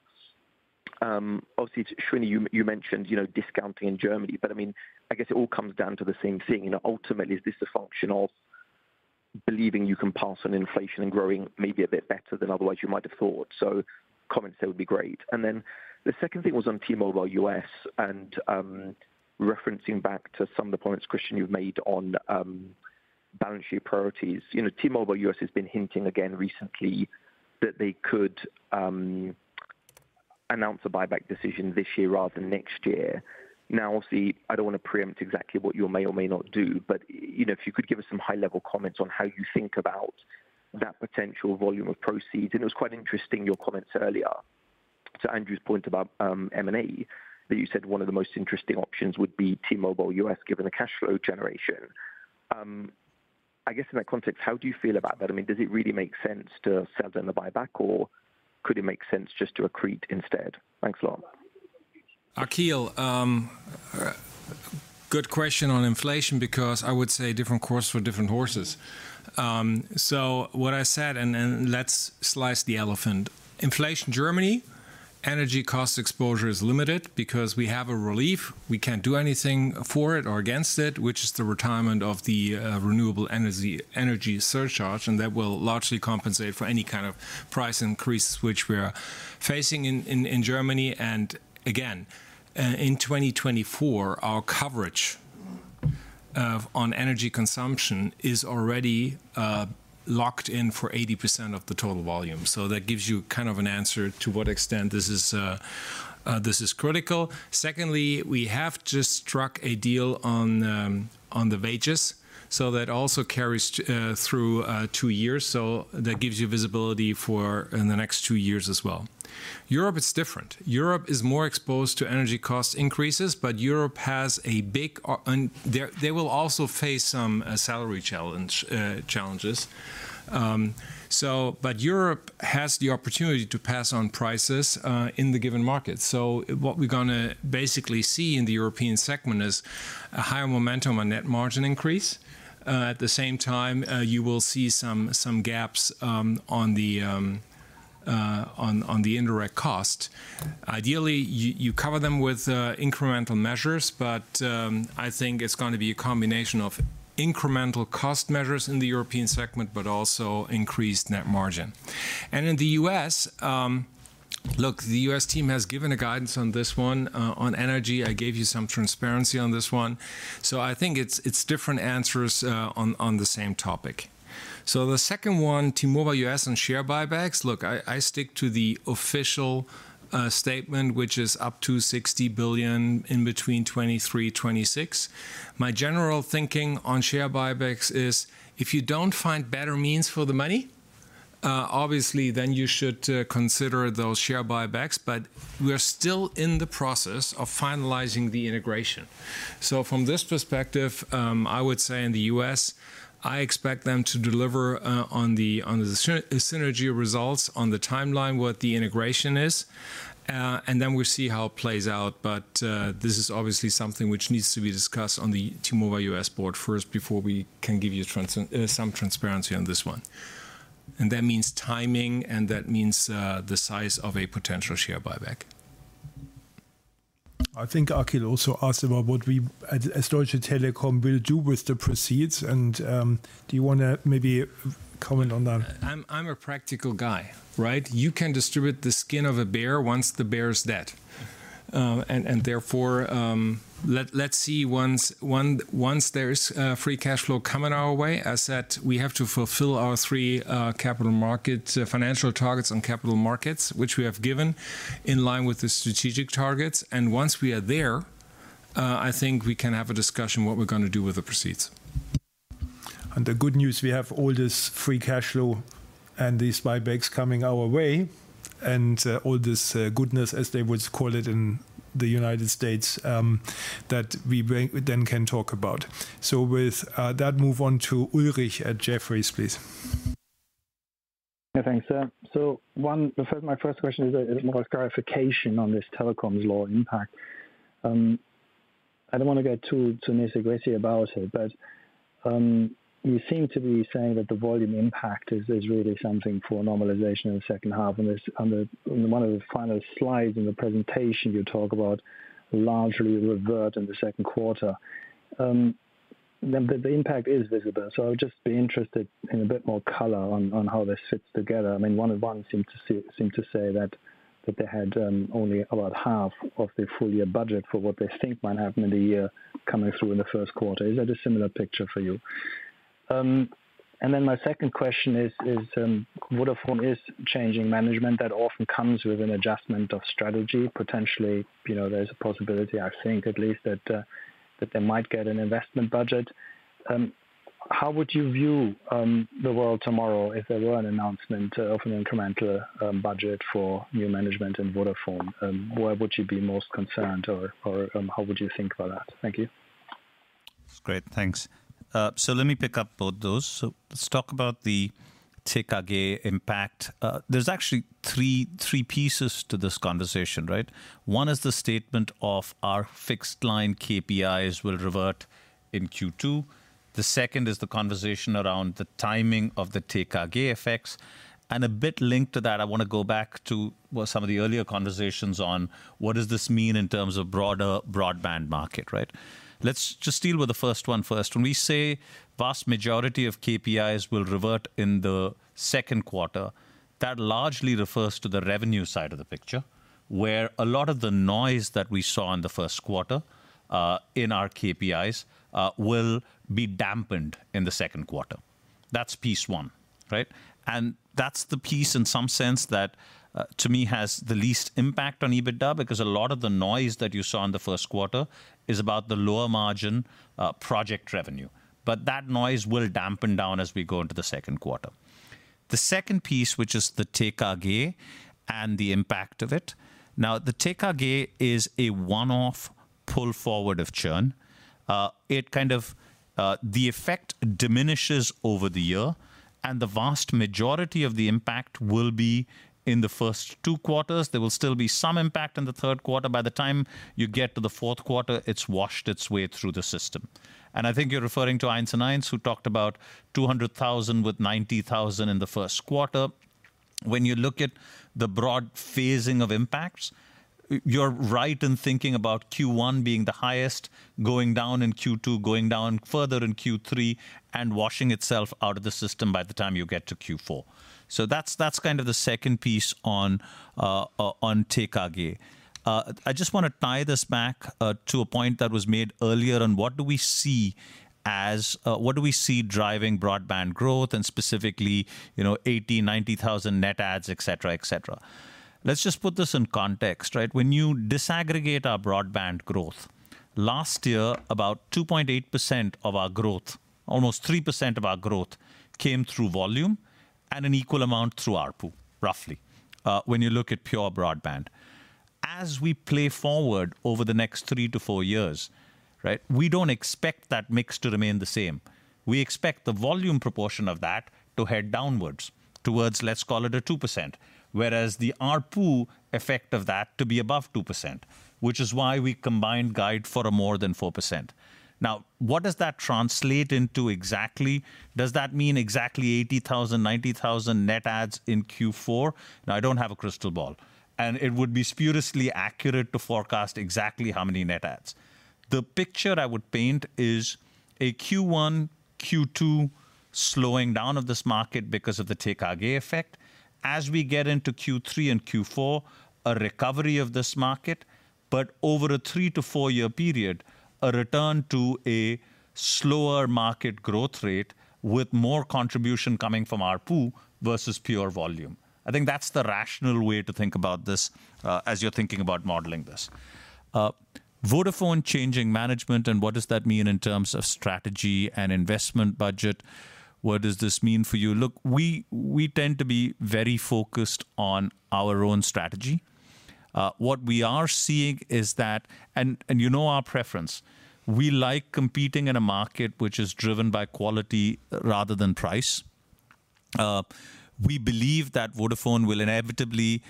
Obviously, Srini, you mentioned, you know, discounting in Germany. I mean, I guess it all comes down to the same thing. You know, ultimately, is this a function of believing you can pass on inflation and growing maybe a bit better than otherwise you might have thought? Comments there would be great. The second thing was on T-Mobile U.S.. Referencing back to some of the points, Christian, you've made on balance sheet priorities. You know, T-Mobile U.S. has been hinting again recently that they could announce a buyback decision this year rather than next year. Now, obviously, I don't want to preempt exactly what you may or may not do, but, you know, if you could give us some high-level comments on how you think about that potential volume of proceeds. It was quite interesting your comments earlier to Andrew's point about M&A, that you said one of the most interesting options would be T-Mobile U.S., given the cash flow generation. I guess in that context, how do you feel about that? I mean, does it really make sense to sell down the buyback, or could it make sense just to accrete instead? Thanks a lot. Akhil, good question on inflation, because I would say different horses for different courses. What I said, let's address the elephant. Inflation in Germany, energy cost exposure is limited because we have a relief. We can't do anything for it or against it, which is the retirement of the renewable energy surcharge, and that will largely compensate for any kind of price increase which we are facing in Germany. Again, in 2024, our coverage on energy consumption is already locked in for 80% of the total volume. That gives you kind of an answer to what extent this is critical. Secondly, we have just struck a deal on the wages, so that also carries through two years. That gives you visibility for the next two years as well. Europe, it's different. Europe is more exposed to energy cost increases, but they will also face some salary challenges. Europe has the opportunity to pass on prices in the given market. What we're gonna basically see in the European segment is a higher momentum on net margin increase. At the same time, you will see some gaps on the indirect cost. Ideally, you cover them with incremental measures, but I think it's gonna be a combination of incremental cost measures in the European segment, but also increased net margin. In the U.S., look, the U.S. team has given a guidance on this one. On energy, I gave you some transparency on this one. I think it's different answers on the same topic. The second one, T-Mobile U.S. and share buybacks. Look, I stick to the official statement, which is up to $60 billion between 2023 and 2026. My general thinking on share buybacks is if you don't find better means for the money, obviously then you should consider those share buybacks. We are still in the process of finalizing the integration. From this perspective, I would say in the U.S., I expect them to deliver on the synergy results, on the timeline, what the integration is, and then we'll see how it plays out. This is obviously something which needs to be discussed on the T-Mobile U.S. board first before we can give you some transparency on this one. That means timing, and that means the size of a potential share buyback. I think Akhil also asked about what we as Deutsche Telekom will do with the proceeds, and do you wanna maybe comment on that? I'm a practical guy, right? You can distribute the skin of a bear once the bear's dead. Let's see once there's free cash flow coming our way. As said, we have to fulfill our three capital market financial targets on capital markets, which we have given in line with the strategic targets. Once we are there, I think we can have a discussion what we're gonna do with the proceeds. The good news, we have all this free cash flow and these buybacks coming our way and all this goodness, as they would call it in the United States, that we then can talk about. With that, move on to Ulrich at Jefferies, please. Yeah. Thanks. My first question is more clarification on this telecoms law impact. I don't wanna get too nitty-gritty about it, but you seem to be saying that the volume impact is really something for normalization in the H2. This, under one of the final slides in the presentation, you talk about largely revert in the second quarter. The impact is visible, so I would just be interested in a bit more color on how this sits together. I mean, 1&1 seemed to see, seemed to say that they had only about half of their full year budget for what they think might happen in the year coming through in the Q1. Is that a similar picture for you? My second question is, Vodafone is changing management that often comes with an adjustment of strategy. Potentially, you know, there's a possibility, I think at least, that they might get an investment budget. How would you view the world tomorrow if there were an announcement of an incremental budget for new management in Vodafone? Where would you be most concerned or how would you think about that? Thank you. That's great. Thanks. Let me pick up both those. Let's talk about the take-up impact. There's actually three pieces to this conversation, right? One is the statement of our fixed-line KPIs will revert in Q2. The second is the conversation around the timing of the TKG effects. A bit linked to that, I wanna go back to, well, some of the earlier conversations on what does this mean in terms of broader broadband market, right? Let's just deal with the first one first. When we say vast majority of KPIs will revert in the Q2, that largely refers to the revenue side of the picture, where a lot of the noise that we saw in the Q1 quarter, in our KPIs, will be dampened in the Q2. That's piece one, right? That's the piece in some sense that, to me, has the least impact on EBITDA, because a lot of the noise that you saw in the Q1 is about the lower margin, project revenue. That noise will dampen down as we go into the Q2. The second piece, which is the Take Up and the impact of it. Now, the Take Up is a one-off pull forward of churn. It kind of, the effect diminishes over the year, and the vast majority of the impact will be in the first two quarters. There will still be some impact in the third quarter. By the time you get to the Q4, it's washed its way through the system. I think you're referring to 1&1, who talked about 200,000 with 90,000 in the first quarter. When you look at the broad phasing of impacts, you're right in thinking about Q1 being the highest, going down in Q2, going down further in Q3, and washing itself out of the system by the time you get to Q4. That's kind of the second piece on TKG. I just want to tie this back to a point that was made earlier on what do we see driving broadband growth and specifically, you know, 80-90 thousand net adds, et cetera, et cetera. Let's just put this in context, right? When you disaggregate our broadband growth, last year, about 2.8% of our growth, almost 3% of our growth, came through volume and an equal amount through ARPU, roughly, when you look at pure broadband. As we play forward over the next three-four years, right, we don't expect that mix to remain the same. We expect the volume proportion of that to head downwards towards, let's call it a 2%, whereas the ARPU effect of that to be above 2%, which is why we combined guide for a more than 4%. Now, what does that translate into exactly? Does that mean exactly 80,000, 90,000 net adds in Q4? Now, I don't have a crystal ball, and it would be spuriously accurate to forecast exactly how many net adds. The picture I would paint is a Q1, Q2 slowing down of this market because of the TKG effect. As we get into Q3 and Q4, a recovery of this market, but over a three-four-year period, a return to a slower market growth rate with more contribution coming from ARPU versus pure volume. I think that's the rational way to think about this, as you're thinking about modeling this. Vodafone changing management and what does that mean in terms of strategy and investment budget? What does this mean for you? Look, we tend to be very focused on our own strategy. What we are seeing is that. You know our preference. We like competing in a market which is driven by quality rather than price. We believe that Vodafone will inevitably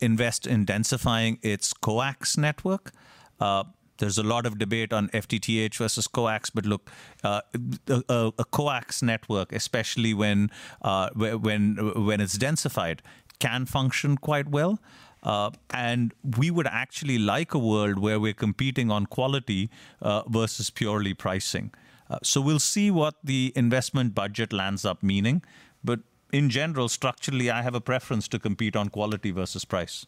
invest in densifying its coax network. There's a lot of debate on FTTH versus coax, but look, a coax network, especially when it's densified, can function quite well. We would actually like a world where we're competing on quality versus purely pricing. We'll see what the investment budget lands up meaning. In general, structurally, I have a preference to compete on quality versus price.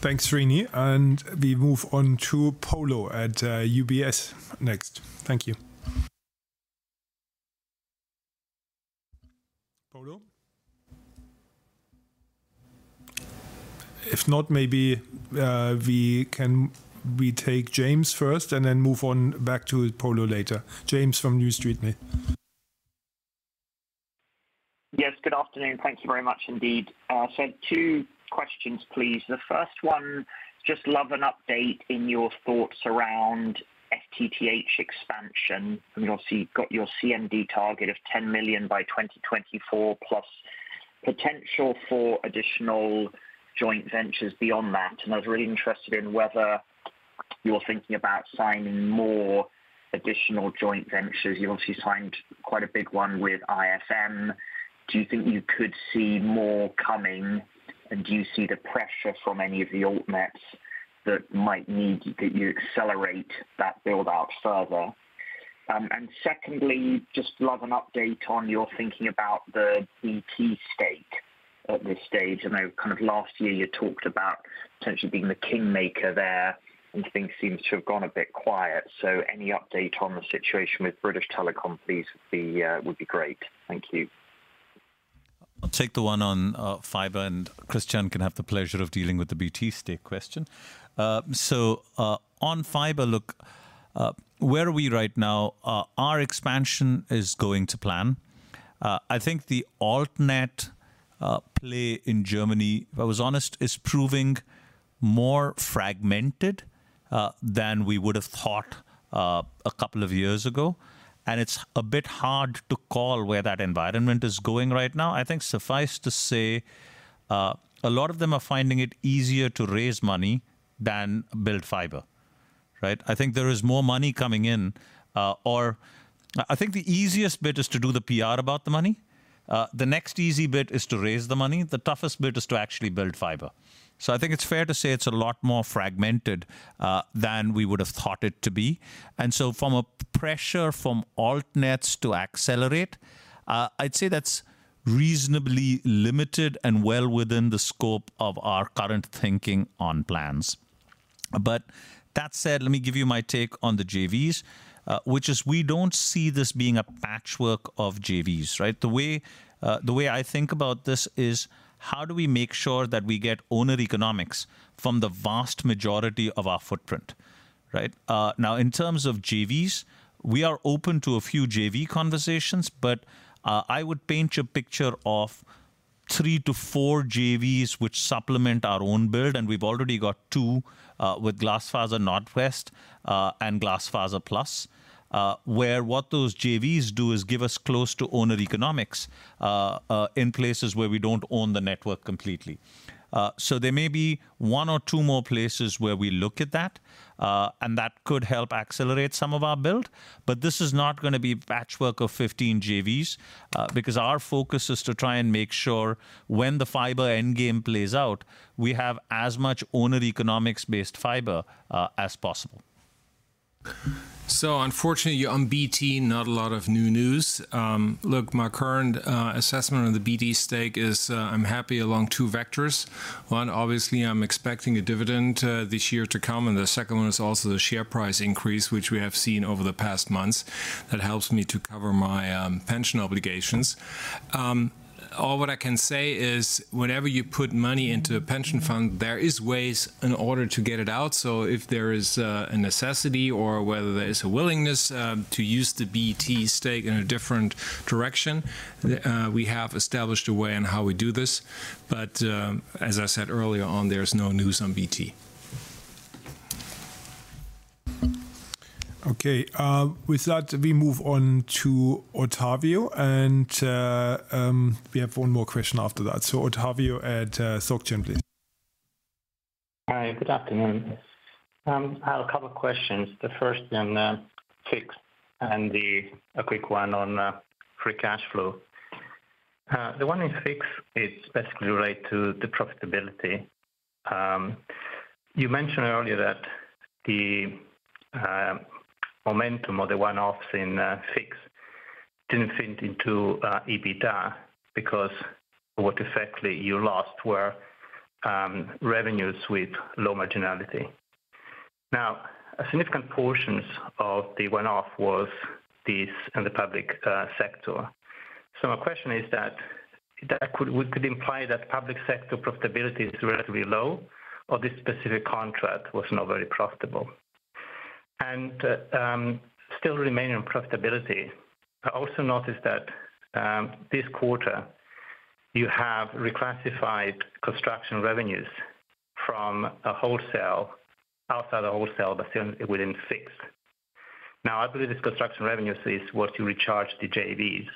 Thanks, Srini. We move on to Polo at UBS next. Thank you. Polo? If not, maybe can we take James first and then move on back to Polo later. James from New Street, please. Yes, good afternoon. Thank you very much indeed. Two questions, please. The first one, I'd just love an update in your thoughts around FTTH expansion. I mean, obviously, you've got your CMD target of 10 million by 2024 plus potential for additional joint ventures beyond that. I was really interested in whether you're thinking about signing more additional joint ventures. You obviously signed quite a big one with IFM. Do you think you could see more coming? Do you see the pressure from any of the alt nets that might need you to accelerate that build-out further? Secondly, I'd just love an update on your thinking about the BT stake at this stage. I know kind of last year you talked about potentially being the kingmaker there, and things seem to have gone a bit quiet. Any update on the situation with British Telecom, please, would be great. Thank you. I'll take the one on fiber, and Christian can have the pleasure of dealing with the BT stake question. So, on fiber, look, where are we right now? Our expansion is going to plan. I think the alt net play in Germany, if I was honest, is proving more fragmented than we would have thought a couple of years ago. It's a bit hard to call where that environment is going right now. I think suffice to say, a lot of them are finding it easier to raise money than build fiber, right? I think there is more money coming in. I think the easiest bit is to do the PR about the money. The next easy bit is to raise the money. The toughest bit is to actually build fiber. I think it's fair to say it's a lot more fragmented than we would have thought it to be. From a pressure from alt nets to accelerate, I'd say that's reasonably limited and well within the scope of our current thinking on plans. That said, let me give you my take on the JVs, which is we don't see this being a patchwork of JVs, right? The way I think about this is how do we make sure that we get owner economics from the vast majority of our footprint, right? Now, in terms of JVs, we are open to a few JV conversations. I would paint you a picture of three-four JVs which supplement our own build, and we've already got two, with Glasfaser Nordwest, and GlasfaserPlus, where what those JVs do is give us close to owner economics, in places where we don't own the network completely. There may be one or two more places where we look at that, and that could help accelerate some of our build. This is not gonna be a patchwork of 15 JVs, because our focus is to try and make sure when the fiber end game plays out, we have as much owner economics-based fiber, as possible. Unfortunately, on BT, not a lot of new news. Look, my current assessment on the BT stake is, I'm happy along two vectors. One, obviously, I'm expecting a dividend this year to come, and the second one is also the share price increase, which we have seen over the past months that helps me to cover my pension obligations. All what I can say is whenever you put money into a pension fund, there is ways in order to get it out. So if there is a necessity or whether there is a willingness to use the BT stake in a different direction, we have established a way on how we do this. But as I said earlier on, there's no news on BT. Okay. With that, we move on to Ottavio and we have one more question after that. Ottavio at Société Générale, please. Hi, good afternoon. I have a couple questions. The first on Fixed and a quick one on free cash flow. The one in Fixed, it's basically related to the profitability. You mentioned earlier that the momentum or the one-offs in Fixed didn't fit into EBITDA because what effectively you lost were revenues with low marginality. Now, a significant portions of the one-off was this in the public sector. My question is that could imply that public sector profitability is relatively low or this specific contract was not very profitable. Still remaining profitability. I also noticed that this quarter you have reclassified construction revenues. From outside a wholesale but within fixed. Now I believe this construction revenue is what you recharge the JVs.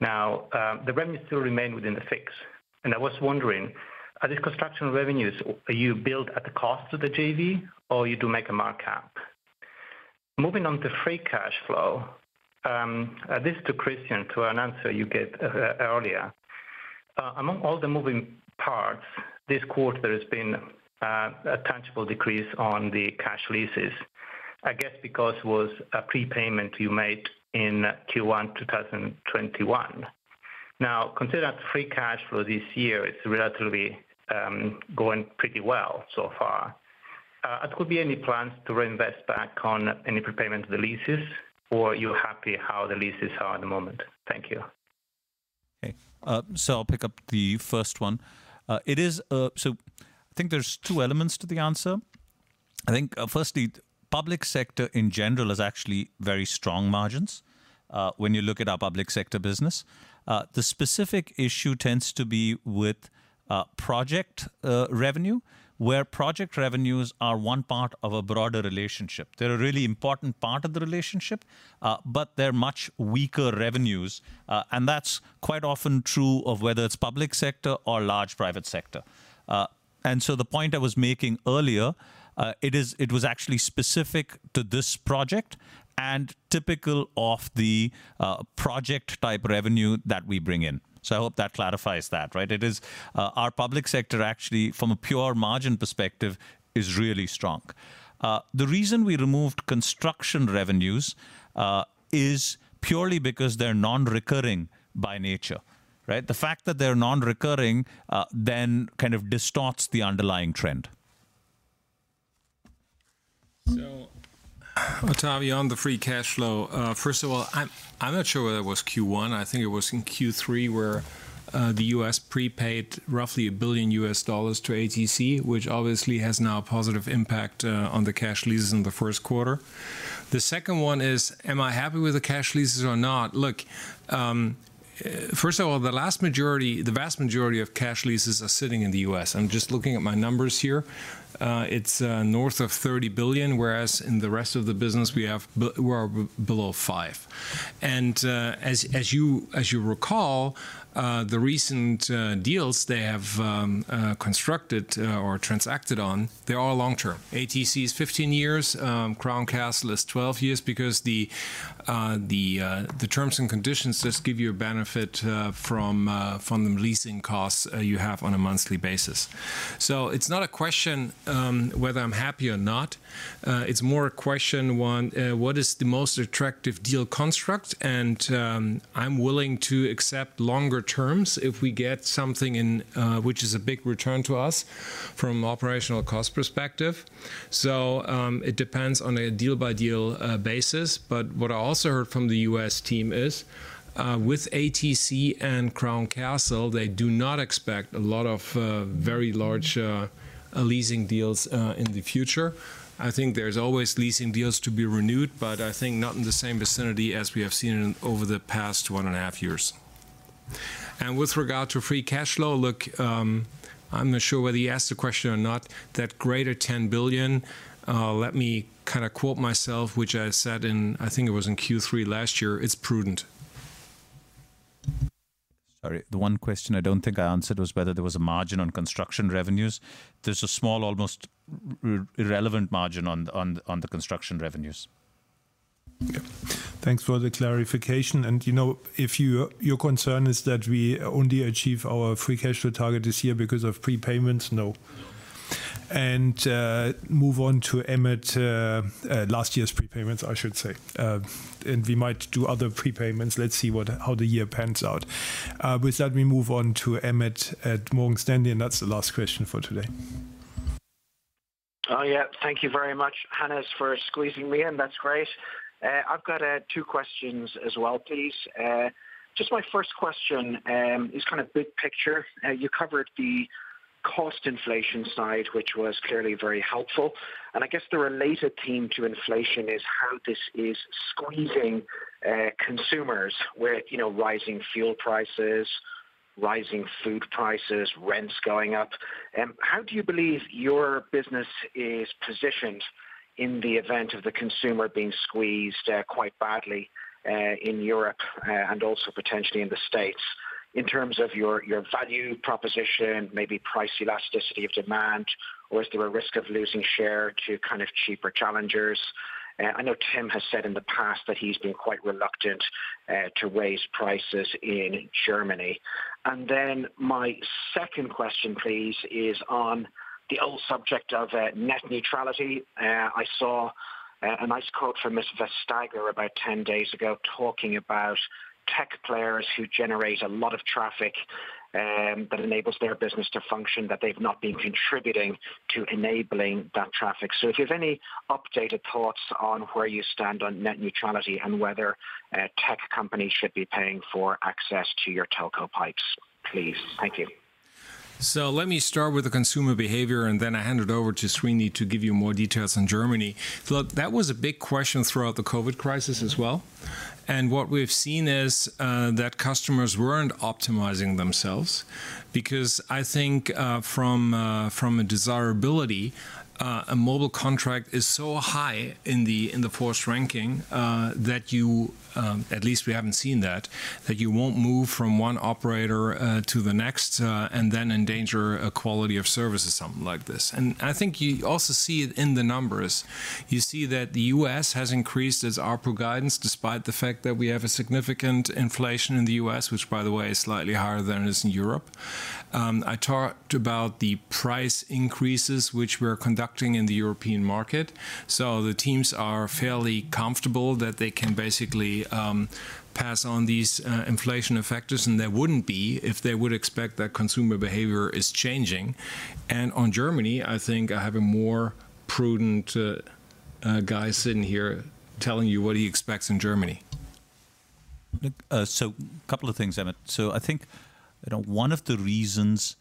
Now, the revenues still remain within the fixed. I was wondering, are these construction revenues, are you billed at the cost of the JV or you do make a markup? Moving on to free cash flow, this to Christian to an answer you gave earlier. Among all the moving parts this quarter has been, a tangible decrease on the cash leases, I guess because it was a prepayment you made in Q1 2021. Now considering free cash flow this year, it's relatively going pretty well so far. Could there be any plans to reinvest back on any prepayment of the leases? Or are you happy how the leases are at the moment? Thank you. Okay. I'll pick up the first one. I think there's two elements to the answer. I think, firstly, public sector in general has actually very strong margins when you look at our public sector business. The specific issue tends to be with project revenue, where project revenues are one part of a broader relationship. They're a really important part of the relationship, but they're much weaker revenues. That's quite often true of whether it's public sector or large private sector. The point I was making earlier was actually specific to this project and typical of the project type revenue that we bring in. I hope that clarifies that, right? Our public sector actually, from a pure margin perspective, is really strong. The reason we removed construction revenues is purely because they're non-recurring by nature, right? The fact that they're non-recurring then kind of distorts the underlying trend. Ottavio, on the free cash flow, first of all, I'm not sure whether it was Q1. I think it was in Q3, where the U.S. prepaid roughly $1 billion to ATC, which obviously has now a positive impact on the cash leases in the Q1. The second one is, am I happy with the cash leases or not? Look, first of all, the vast majority of cash leases are sitting in the U.S.. I'm just looking at my numbers here. It's north of $30 billion, whereas in the rest of the business we're below 5 billion. As you recall, the recent deals they have constructed or transacted on, they're all long-term. ATC is 15 years, Crown Castle is 12 years because the terms and conditions just give you a benefit from the leasing costs you have on a monthly basis. It's not a question whether I'm happy or not, it's more a question of what is the most attractive deal construct. I'm willing to accept longer terms if we get something in which is a big return to us from operational cost perspective. It depends on a deal by deal basis. What I also heard from the U.S. team is, with ATC and Crown Castle, they do not expect a lot of very large leasing deals in the future. I think there's always leasing deals to be renewed, but I think not in the same vicinity as we have seen over the past 1.5 years. With regard to free cash flow, look, I'm not sure whether you asked the question or not, that greater than 10 billion, let me kind of quote myself, which I said in, I think it was in Q3 last year, it's prudent. Sorry. The one question I don't think I answered was whether there was a margin on construction revenues. There's a small, almost irrelevant margin on the construction revenues. Yeah. Thanks for the clarification. You know, if your concern is that we only achieve our free cash flow target this year because of prepayments, no. Move on to Emmett. Last year's prepayments, I should say. We might do other prepayments. Let's see how the year pans out. With that, we move on to Emmett at Morgan Stanley, and that's the last question for today. Oh, yeah. Thank you very much, Hannes, for squeezing me in. That's great. I've got two questions as well, please. Just my first question is kind of big picture. You covered the cost inflation side, which was clearly very helpful. I guess the related theme to inflation is how this is squeezing consumers where, you know, rising fuel prices, rising food prices, rents going up. How do you believe your business is positioned in the event of the consumer being squeezed quite badly in Europe and also potentially in the States? In terms of your value proposition, maybe price elasticity of demand, or is there a risk of losing share to kind of cheaper challengers? I know Tim has said in the past that he's been quite reluctant to raise prices in Germany. My second question please is on the old subject of net neutrality. I saw a nice quote from Ms. Vestager about 10 days ago talking about tech players who generate a lot of traffic that enables their business to function, that they've not been contributing to enabling that traffic. If you've any updated thoughts on where you stand on net neutrality and whether tech companies should be paying for access to your telco pipes, please. Thank you. Let me start with the consumer behavior, and then I hand it over to Srini Gopalan to give you more details on Germany. Look, that was a big question throughout the COVID crisis as well. What we've seen is that customers weren't optimizing themselves because I think from a desirability a mobile contract is so high in the forced ranking that you at least we haven't seen that you won't move from one operator to the next and then endanger a quality of service or something like this. I think you also see it in the numbers. You see that the U.S. has increased its ARPU guidance despite the fact that we have a significant inflation in the U.S., which by the way is slightly higher than it is in Europe. I talked about the price increases which we're conducting in the European market, so the teams are fairly comfortable that they can basically pass on these inflation effects, and they wouldn't be if they would expect that consumer behavior is changing. On Germany, I think I have a more prudent guy sitting here telling you what he expects in Germany. Look, so couple of things, Emmett. I think, you know, one of the reasons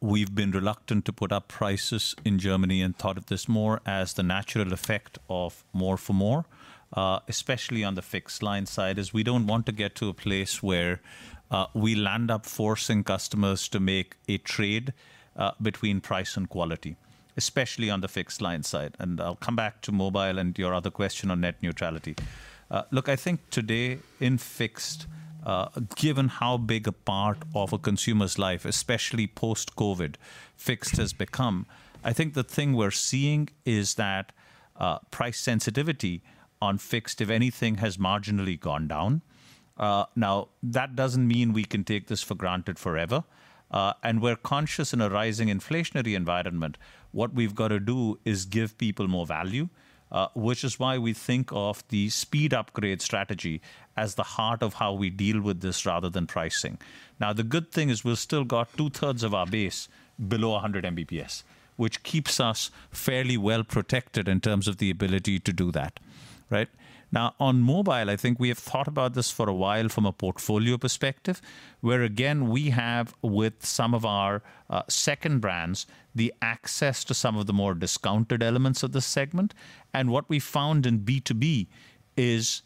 we've been reluctant to put up prices in Germany and thought of this more as the natural effect of more for more, especially on the fixed line side, is we don't want to get to a place where we'll end up forcing customers to make a trade between price and quality, especially on the fixed line side. I'll come back to mobile and your other question on net neutrality. Look, I think today in fixed, given how big a part of a consumer's life, especially post-COVID, fixed has become, I think the thing we're seeing is that price sensitivity on fixed, if anything, has marginally gone down. Now that doesn't mean we can take this for granted forever. We're conscious in a rising inflationary environment, what we've gotta do is give people more value, which is why we think of the speed upgrade strategy as the heart of how we deal with this rather than pricing. Now, the good thing is we've still got two-thirds of our base below 100 Mbps, which keeps us fairly well-protected in terms of the ability to do that, right? Now, on mobile, I think we have thought about this for a while from a portfolio perspective, where again, we have with some of our second brands, the access to some of the more discounted elements of the segment. What we found in B2B is,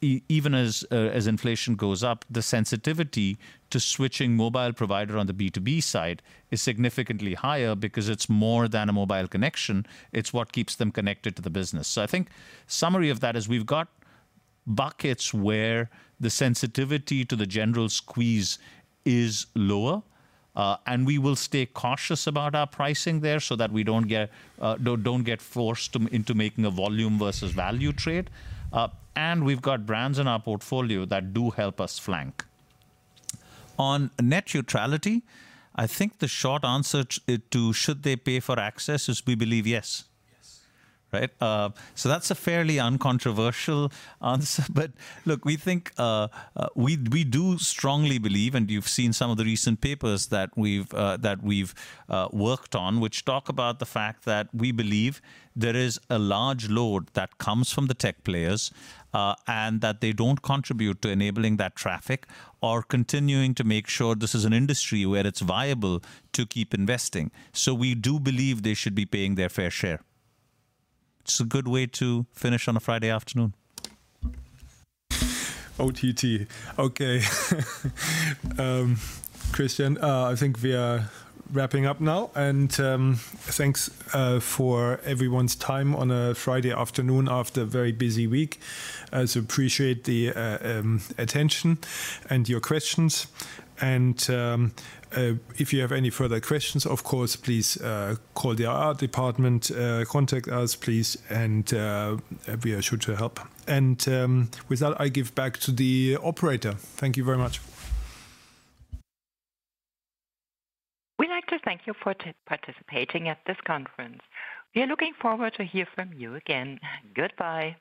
even as inflation goes up, the sensitivity to switching mobile provider on the B2B side is significantly higher because it's more than a mobile connection. It's what keeps them connected to the business. I think summary of that is we've got buckets where the sensitivity to the general squeeze is lower, and we will stay cautious about our pricing there so that we don't get forced into making a volume versus value trade. We've got brands in our portfolio that do help us flank. On net neutrality, I think the short answer to should they pay for access is we believe yes. Yes. Right? That's a fairly uncontroversial answer. Look, we think we do strongly believe, and you've seen some of the recent papers that we've worked on, which talk about the fact that we believe there is a large load that comes from the tech players, and that they don't contribute to enabling that traffic or continuing to make sure this is an industry where it's viable to keep investing. We do believe they should be paying their fair share. It's a good way to finish on a Friday afternoon. Okay. Christian, I think we are wrapping up now, and thanks for everyone's time on a Friday afternoon after a very busy week. I also appreciate the attention and your questions. If you have any further questions, of course, please call the IR department, contact us please, and we are sure to help. With that, I give back to the operator. Thank you very much. We'd like to thank you for participating at this conference. We are looking forward to hear from you again. Goodbye.